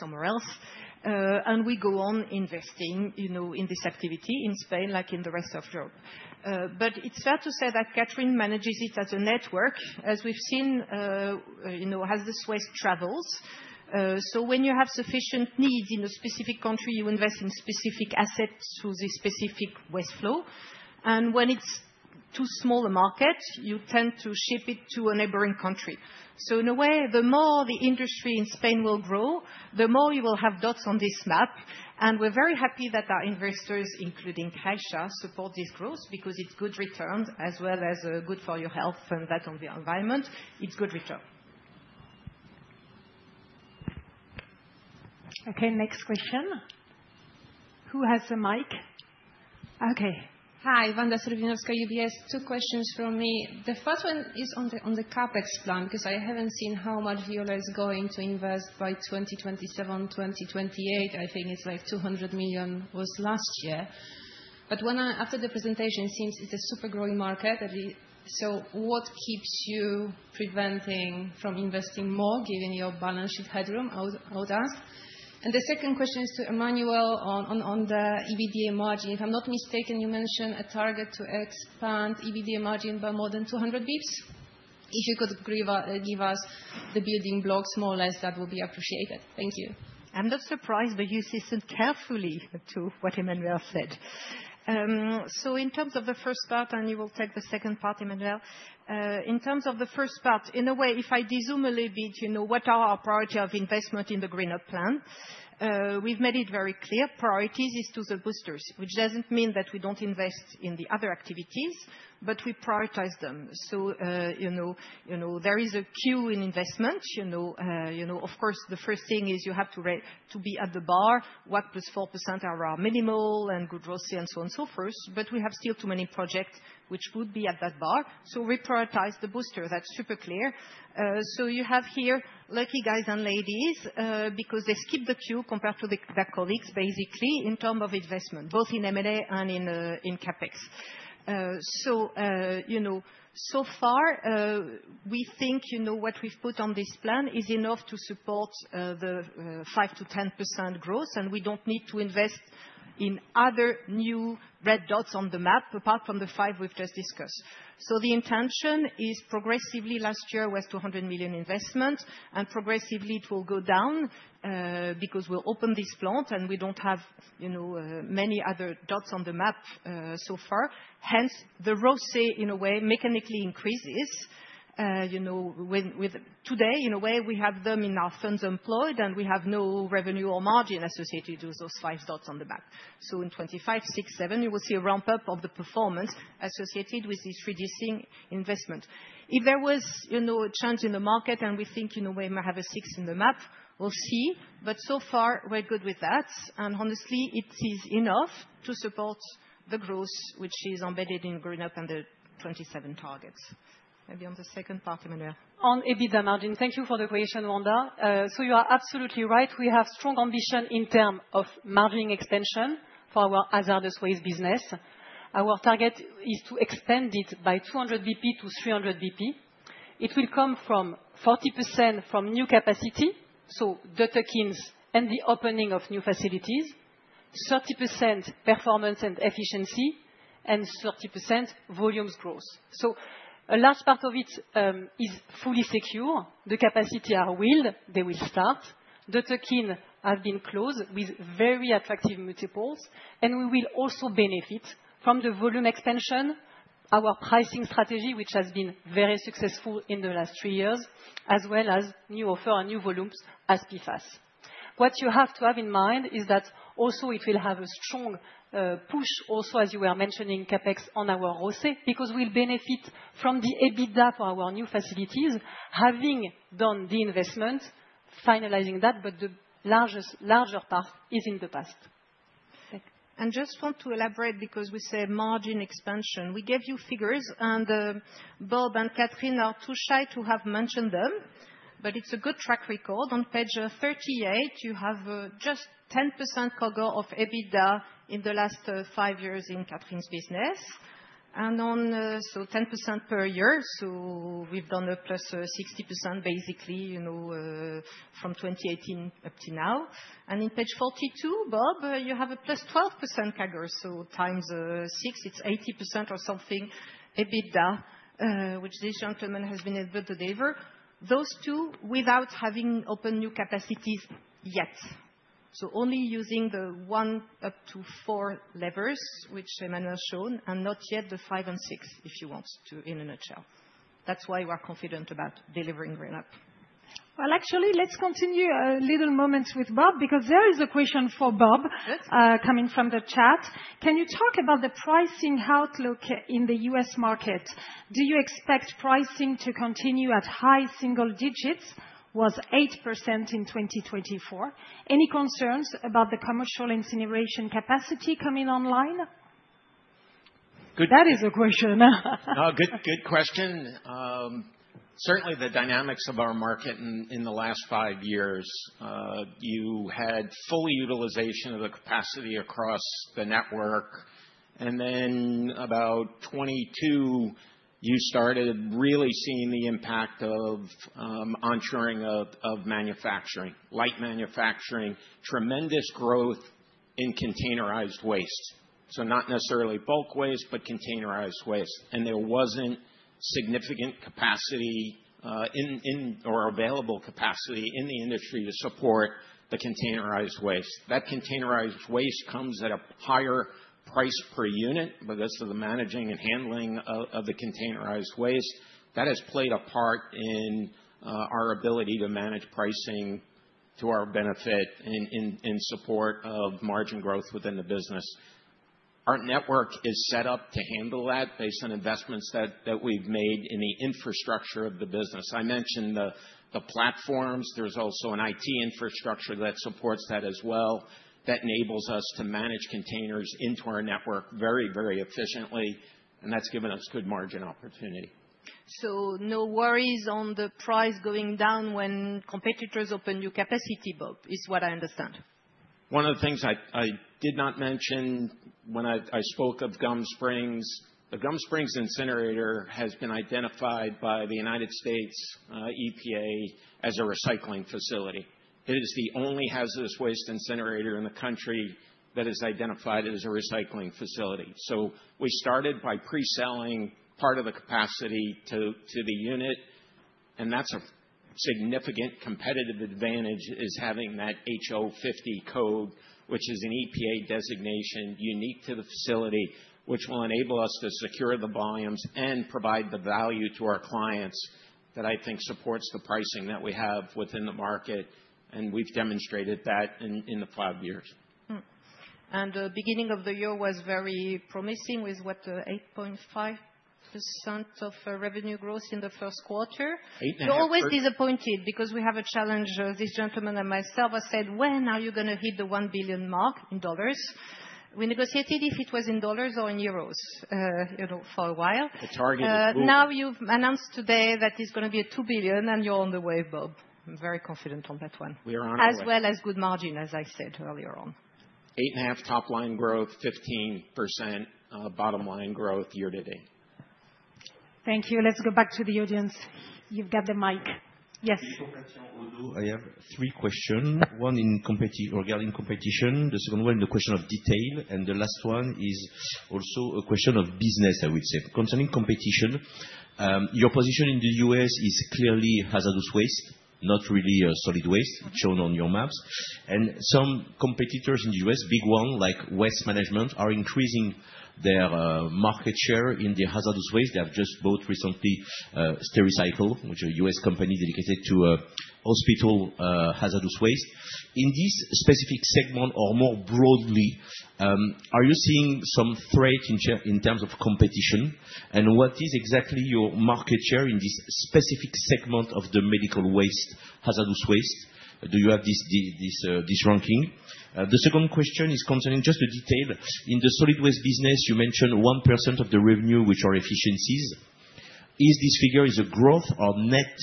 somewhere else. We go on investing in this activity in Spain, like in the rest of Europe. It is fair to say that Catherine manages it as a network, as we have seen, as this waste travels. When you have sufficient needs in a specific country, you invest in specific assets through this specific waste flow. When it is too small a market, you tend to ship it to a neighboring country. In a way, the more the industry in Spain will grow, the more you will have dots on this map. We are very happy that our investors, including Caixa, support this growth because it is good returns as well as good for your health and that of the environment. It is good return. Okay, next question. Who has the mic? Okay. Hi, [Ivana Surbinovska], UBS. Two questions from me. The first one is on the CapEx plan because I have not seen how much Veolia is going to invest by 2027, 2028. I think it is like 200 million was last year. After the presentation, it seems it is a super growing market. What keeps you preventing from investing more, given your balance sheet headroom, I would ask? The second question is to Emmanuelle on the EBITDA margin. If I am not mistaken, you mentioned a target to expand EBITDA margin by more than 200 basis points. If you could give us the building blocks, more or less, that would be appreciated. Thank you. I am not surprised, but you listened carefully to what Emmanuelle said. In terms of the first part, and you will take the second part, Emmanuelle, in terms of the first part, in a way, if I desume a little bit, what are our priorities of investment in the GreenUp plan? We have made it very clear. Priorities is to the boosters, which does not mean that we do not invest in the other activities, but we prioritize them. There is a queue in investment. Of course, the first thing is you have to be at the bar. What +4% are our minimal and good rosy and so on and so forth. We have still too many projects which would be at that bar. We prioritize the booster. That is super clear. You have here lucky guys and ladies because they skip the queue compared to their colleagues, basically, in terms of investment, both in M&A and in CapEx. So, so far, we think what we've put on this plan is enough to support the 5%-10% growth, and we don't need to invest in other new red dots on the map apart from the five we've just discussed. The intention is progressively, last year was 200 million investment, and progressively it will go down because we'll open this plant and we don't have many other dots on the map so far. Hence, the ROCE, in a way, mechanically increases. Today, in a way, we have them in our funds employed, and we have no revenue or margin associated with those five dots on the map. In 2025, 2026, 2027, you will see a ramp-up of the performance associated with this reducing investment. If there was a change in the market, and we think, in a way, we might have a six in the map, we'll see. So far, we're good with that. Honestly, it is enough to support the growth, which is embedded in GreenUp and the 20 27 targets. Maybe on the second part, Emmanuelle. On EBITDA margin, thank you for the question, Wanda. You are absolutely right. We have strong ambition in terms of margin expansion for our hazardous waste business. Our target is to extend it by 200 basis points to 300 basis points. It will come from 40% from new capacity, so the check-ins and the opening of new facilities, 30% performance and efficiency, and 30% volumes growth. A large part of it is fully secure. The capacity are willed, they will start. The check-in has been closed with very attractive multiples, and we will also benefit from the volume expansion, our pricing strategy, which has been very successful in the last three years, as well as new offer and new volumes as PFAS. What you have to have in mind is that also it will have a strong push, also, as you were mentioning, CapEx on our ROCE because we will benefit from the EBITDA for our new facilities, having done the investment, finalizing that, but the larger part is in the past. I just want to elaborate because we say margin expansion. We gave you figures, and Bob and Catherine are too shy to have mentioned them, but it is a good track record. On page 38, you have just 10% CAGR of EBITDA in the last five years in Catherine's business. On, so, 10% per year, so we've done a +60% basically from 2018 up to now. In page 42, Bob, you have a +12% CAGR, so times six, it's 80% or something EBITDA, which this gentleman has been able to deliver. Those two without having opened new capacities yet. Only using the one up to four levers, which Emmanuelle showed, and not yet the five and six if you want to, in a nutshell. That is why we are confident about delivering GreenUp. Actually, let's continue a little moment with Bob because there is a question for Bob coming from the chat. Can you talk about the pricing outlook in the U.S. market? Do you expect pricing to continue at high single digits? Was 8% in 2024. Any concerns about the commercial incineration capacity coming online? That is a question. Good question. Certainly, the dynamics of our market in the last five years. You had full utilization of the capacity across the network. In about 2022, you started really seeing the impact of onshoring of manufacturing, light manufacturing, tremendous growth in containerized waste. Not necessarily bulk waste, but containerized waste. There was not significant capacity or available capacity in the industry to support the containerized waste. That containerized waste comes at a higher price per unit because of the managing and handling of the containerized waste. That has played a part in our ability to manage pricing to our benefit in support of margin growth within the business. Our network is set up to handle that based on investments that we have made in the infrastructure of the business. I mentioned the platforms. There's also an IT infrastructure that supports that as well that enables us to manage containers into our network very, very efficiently. That's given us good margin opportunity. No worries on the price going down when competitors open new capacity, Bob, is what I understand. One of the things I did not mention when I spoke of Gum Springs, the Gum Springs incinerator has been identified by the United States EPA as a recycling facility. It is the only hazardous waste incinerator in the country that is identified as a recycling facility. We started by pre-selling part of the capacity to the unit. That is a significant competitive advantage, having that H050 code, which is an EPA designation unique to the facility, which will enable us to secure the volumes and provide the value to our clients that I think supports the pricing that we have within the market. We have demonstrated that in the five years. The beginning of the year was very promising with, what, 8.5% of revenue growth in the first quarter. You are always disappointed because we have a challenge. This gentleman and myself have said, when are you going to hit the 1 billion in dollars? We negotiated if it was in dollars or in euros for a while. The target will. Now you have announced today that it is going to be 2 billion, and you are on the way, Bob. I am very confident on that one. We are on it. As well as good margin, as I said earlier on. 8.5% top line growth, 15% bottom line growth year to date. Thank you. Let's go back to the audience. You've got the mic. Yes. Thank you. I have three questions. One regarding competition, the second one is a question of detail, and the last one is also a question of business, I would say. Concerning competition, your position in the U.S. is clearly hazardous waste, not really solid waste shown on your maps. And some competitors in the U.S., big ones like Waste Management, are increasing their market share in hazardous waste. They have just both recently Stericycle, which is a U.S. company dedicated to hospital hazardous waste. In this specific segment or more broadly, are you seeing some threat in terms of competition? What is exactly your market share in this specific segment of the medical waste, hazardous waste? Do you have this ranking? The second question is concerning just the detail. In the solid waste business, you mentioned 1% of the revenue, which are efficiencies. Is this figure a growth or net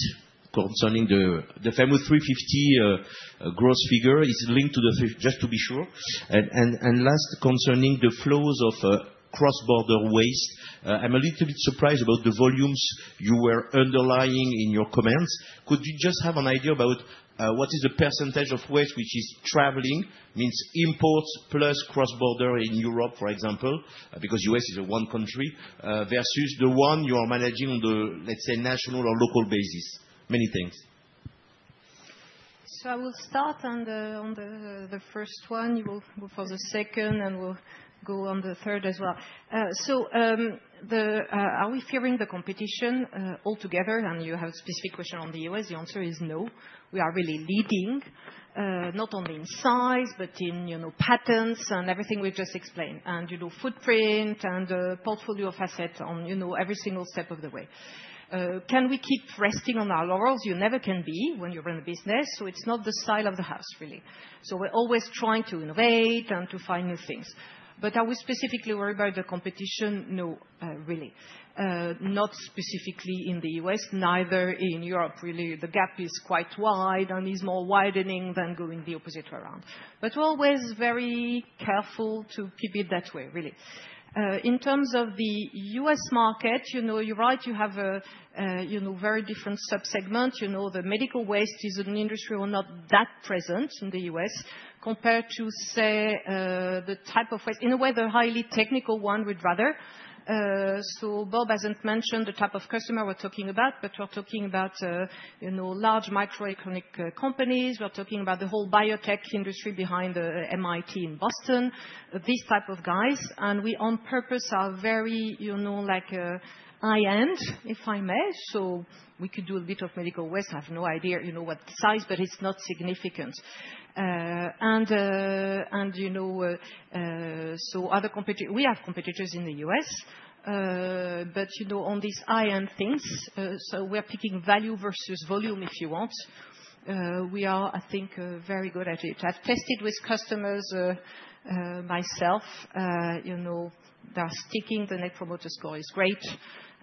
concerning the FEMU 350 gross figure? It's linked to the, just to be sure. Last, concerning the flows of cross-border waste, I'm a little bit surprised about the volumes you were underlying in your comments. Could you just have an idea about what is the percentage of waste which is traveling, means imports plus cross-border in Europe, for example, because the U.S. is one country, versus the one you are managing on the, let's say, national or local basis? Many things. I will start on the first one. You will move on the second, and we'll go on the third as well. Are we fearing the competition altogether? You have a specific question on the U.S. The answer is no. We are really leading, not only in size, but in patterns and everything we've just explained, and footprint and portfolio of assets on every single step of the way. Can we keep resting on our laurels? You never can be when you run a business. It's not the style of the house, really. We're always trying to innovate and to find new things. Are we specifically worried about the competition? No, really. Not specifically in the U.S., neither in Europe, really. The gap is quite wide and is more widening than going the opposite way around. We're always very careful to keep it that way, really. In terms of the U.S. market, you're right, you have a very different subsegment. The medical waste is an industry that's not that present in the U.S. compared to, say, the type of waste. In a way, the highly technical one would rather. Bob hasn't mentioned the type of customer we're talking about, but we're talking about large microeconomic companies. We're talking about the whole biotech industry behind MIT in Boston, these type of guys. We, on purpose, are very high-end, if I may. We could do a bit of medical waste. I have no idea what the size, but it's not significant. Other competitors, we have competitors in the U.S., but on these high-end things, we're picking value versus volume, if you want. We are, I think, very good at it. I've tested with customers myself. They're sticking. The Net Promoter Score is great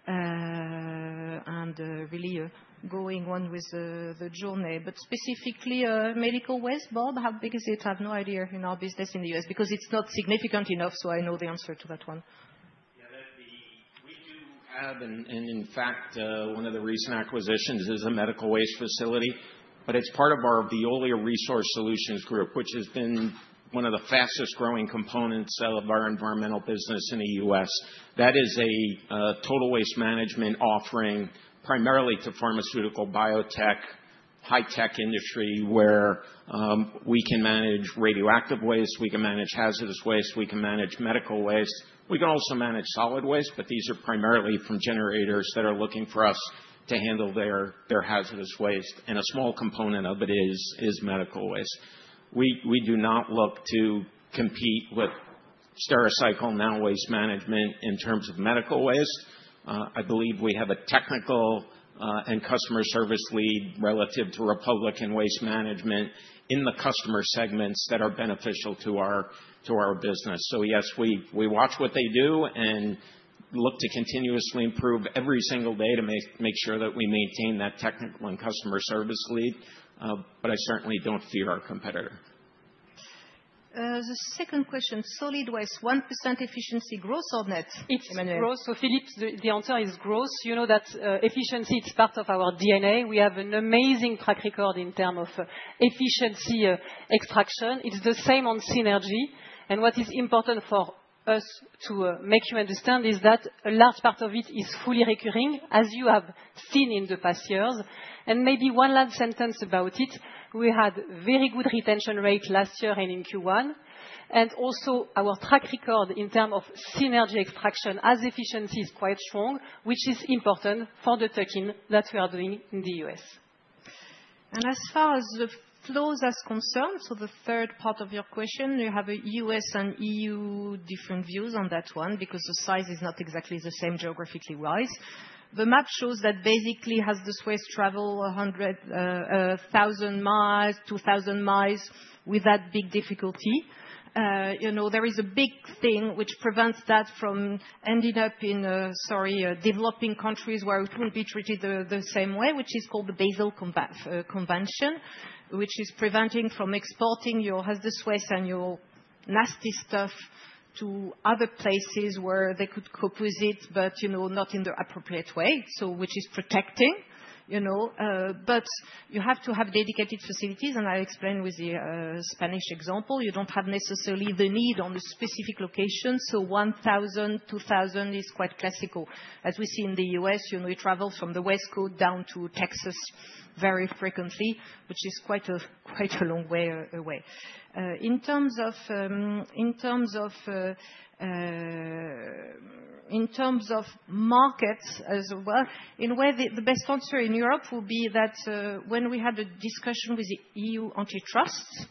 and really going on with the journey. Specifically, medical waste, Bob, how big is it? I have no idea in our business in the U.S. because it's not significant enough. I know the answer to that one. Yeah, we do have, and in fact, one of the recent acquisitions is a medical waste facility. It is part of our Veolia Resource Solutions Group, which has been one of the fastest growing components of our environmental business in the U.S. That is a total waste management offering primarily to pharmaceutical, biotech, high-tech industry where we can manage radioactive waste, we can manage hazardous waste, we can manage medical waste. We can also manage solid waste, but these are primarily from generators that are looking for us to handle their hazardous waste. A small component of it is medical waste. We do not look to compete with Stericycle, now Waste Management, in terms of medical waste. I believe we have a technical and customer service lead relative to Republic and Waste Management in the customer segments that are beneficial to our business. Yes, we watch what they do and look to continuously improve every single day to make sure that we maintain that technical and customer service lead. I certainly do not fear our competitor. The second question, solid waste, 1% efficiency gross or net? It is gross. [Philippe], the answer is gross. You know that efficiency, it is part of our DNA. We have an amazing track record in terms of efficiency extraction. It is the same on synergy. What is important for us to make you understand is that a large part of it is fully recurring, as you have seen in the past years. Maybe one last sentence about it. We had a very good retention rate last year and in Q1. Also, our track record in terms of synergy extraction as efficiency is quite strong, which is important for the check-in that we are doing in the U.S. As far as the flows are concerned, the third part of your question, you have a U.S. and EU different views on that one because the size is not exactly the same geographically-wise. The map shows that basically hazardous waste travels 1,000 mi, 2,000 mi without big difficulty. There is a big thing which prevents that from ending up in, sorry, developing countries where it will not be treated the same way, which is called the Basel Convention, which is preventing from exporting your hazardous waste and your nasty stuff to other places where they could co-possess it, but not in the appropriate way, which is protecting. You have to have dedicated facilities, and I explained with the Spanish example, you do not have necessarily the need on the specific location. 1,000, 2,000 is quite classical. As we see in the U.S., we travel from the West Coast down to Texas very frequently, which is quite a long way away. In terms of markets as well, in a way, the best answer in Europe will be that when we had a discussion with the EU antitrust,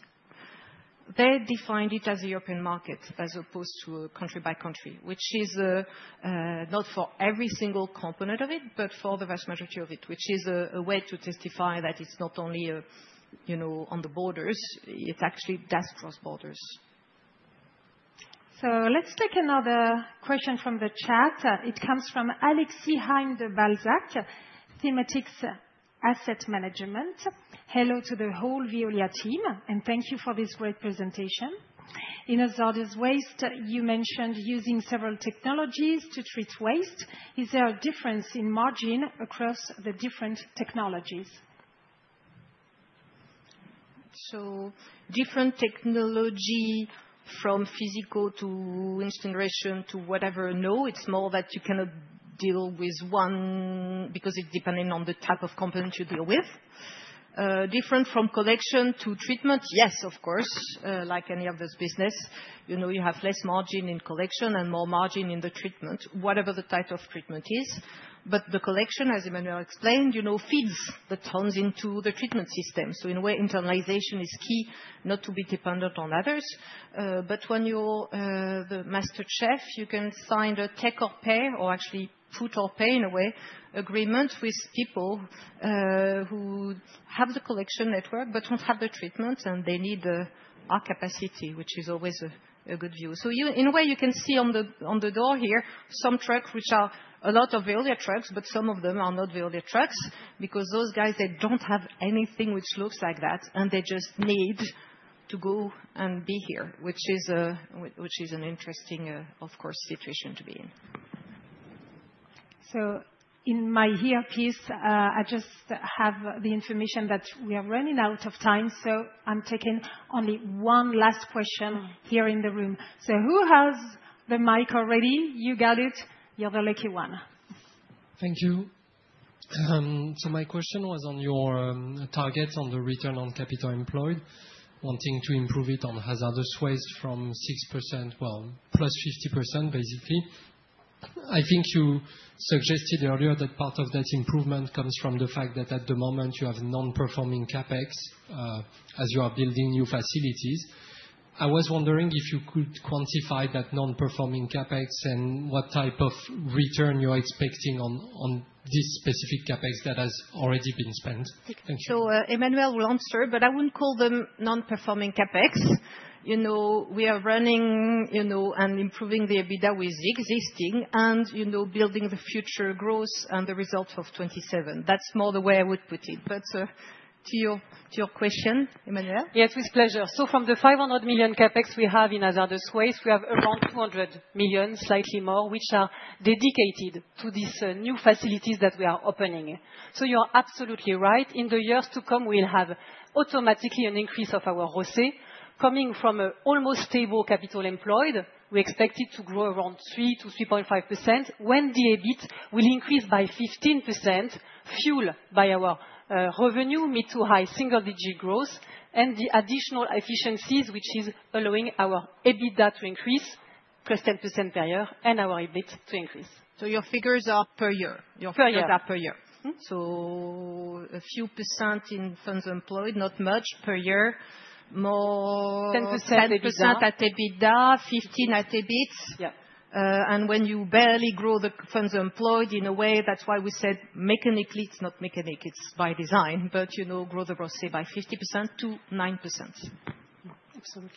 they defined it as a European market as opposed to country by country, which is not for every single component of it, but for the vast majority of it, which is a way to testify that it's not only on the borders, it actually does cross borders. Let's take another question from the chat. It comes from Alexis Heim de Balsac, Thematics Asset Management. Hello to the whole Veolia team, and thank you for this great presentation. In hazardous waste, you mentioned using several technologies to treat waste. Is there a difference in margin across the different technologies? Different technology from physical to incineration to whatever, no. It's more that you cannot deal with one because it's dependent on the type of component you deal with. Different from collection to treatment, yes, of course, like any other business. You have less margin in collection and more margin in the treatment, whatever the type of treatment is. The collection, as Emmanuelle explained, feeds the tons into the treatment system. In a way, internalization is key, not to be dependent on others. When you're the master chef, you can sign a take-or-pay, or actually food-or-pay in a way, agreement with people who have the collection network but don't have the treatment, and they need our capacity, which is always a good view. In a way, you can see on the door here some trucks which are a lot of Veolia trucks, but some of them are not Veolia trucks because those guys, they do not have anything which looks like that, and they just need to go and be here, which is an interesting, of course, situation to be in. In my here piece, I just have the information that we are running out of time. I am taking only one last question here in the room. Who has the mic already? You got it. You are the lucky one. Thank you. My question was on your targets on the return on capital employed, wanting to improve it on hazardous waste from 6%, well, +50%, basically. I think you suggested earlier that part of that improvement comes from the fact that at the moment you have non-performing CapEx as you are building new facilities. I was wondering if you could quantify that non-performing CapEx and what type of return you're expecting on this specific CapEx that has already been spent. Thank you. Emmanuelle will answer, but I wouldn't call them non-performing CapEx. We are running and improving the EBITDA with existing and building the future growth and the result of 2027. That's more the way I would put it. To your question, Emmanuel? Yes, with pleasure. From the 500 million CapEx we have in hazardous waste, we have around 200 million, slightly more, which are dedicated to these new facilities that we are opening. You are absolutely right. In the years to come, we'll have automatically an increase of our ROCE coming from an almost stable capital employed. We expect it to grow around 3%-3.5% when the EBIT will increase by 15% fueled by our revenue, mid to high single-digit growth, and the additional efficiencies, which is allowing our EBITDA to increase plus 10% per year and our EBIT to increase. Your figures are per year? Your figures are per year. A few percent in funds employed, not much per year. 10% at EBITDA, 15% at EBIT, and when you barely grow the funds employed in a way, that's why we said mechanically, it's not mechanic, it's by design, but grow the ROCE by 50% to 9%. Absolutely.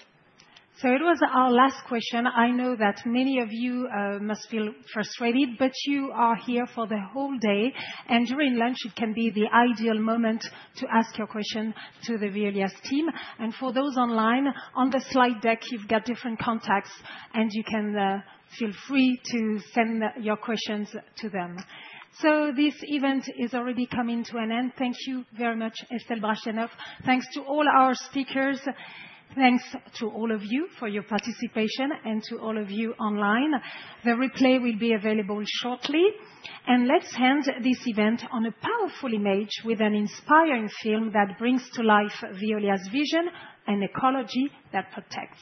It was our last question. I know that many of you must feel frustrated, but you are here for the whole day. During lunch, it can be the ideal moment to ask your question to the Veolia team. For those online, on the slide deck, you have different contacts, and you can feel free to send your questions to them. This event is already coming to an end. Thank you very much, Estelle Brachlianoff. Thanks to all our speakers. Thanks to all of you for your participation and to all of you online. The replay will be available shortly. Let's end this event on a powerful image with an inspiring film that brings to life Veolia's vision and ecology that protects.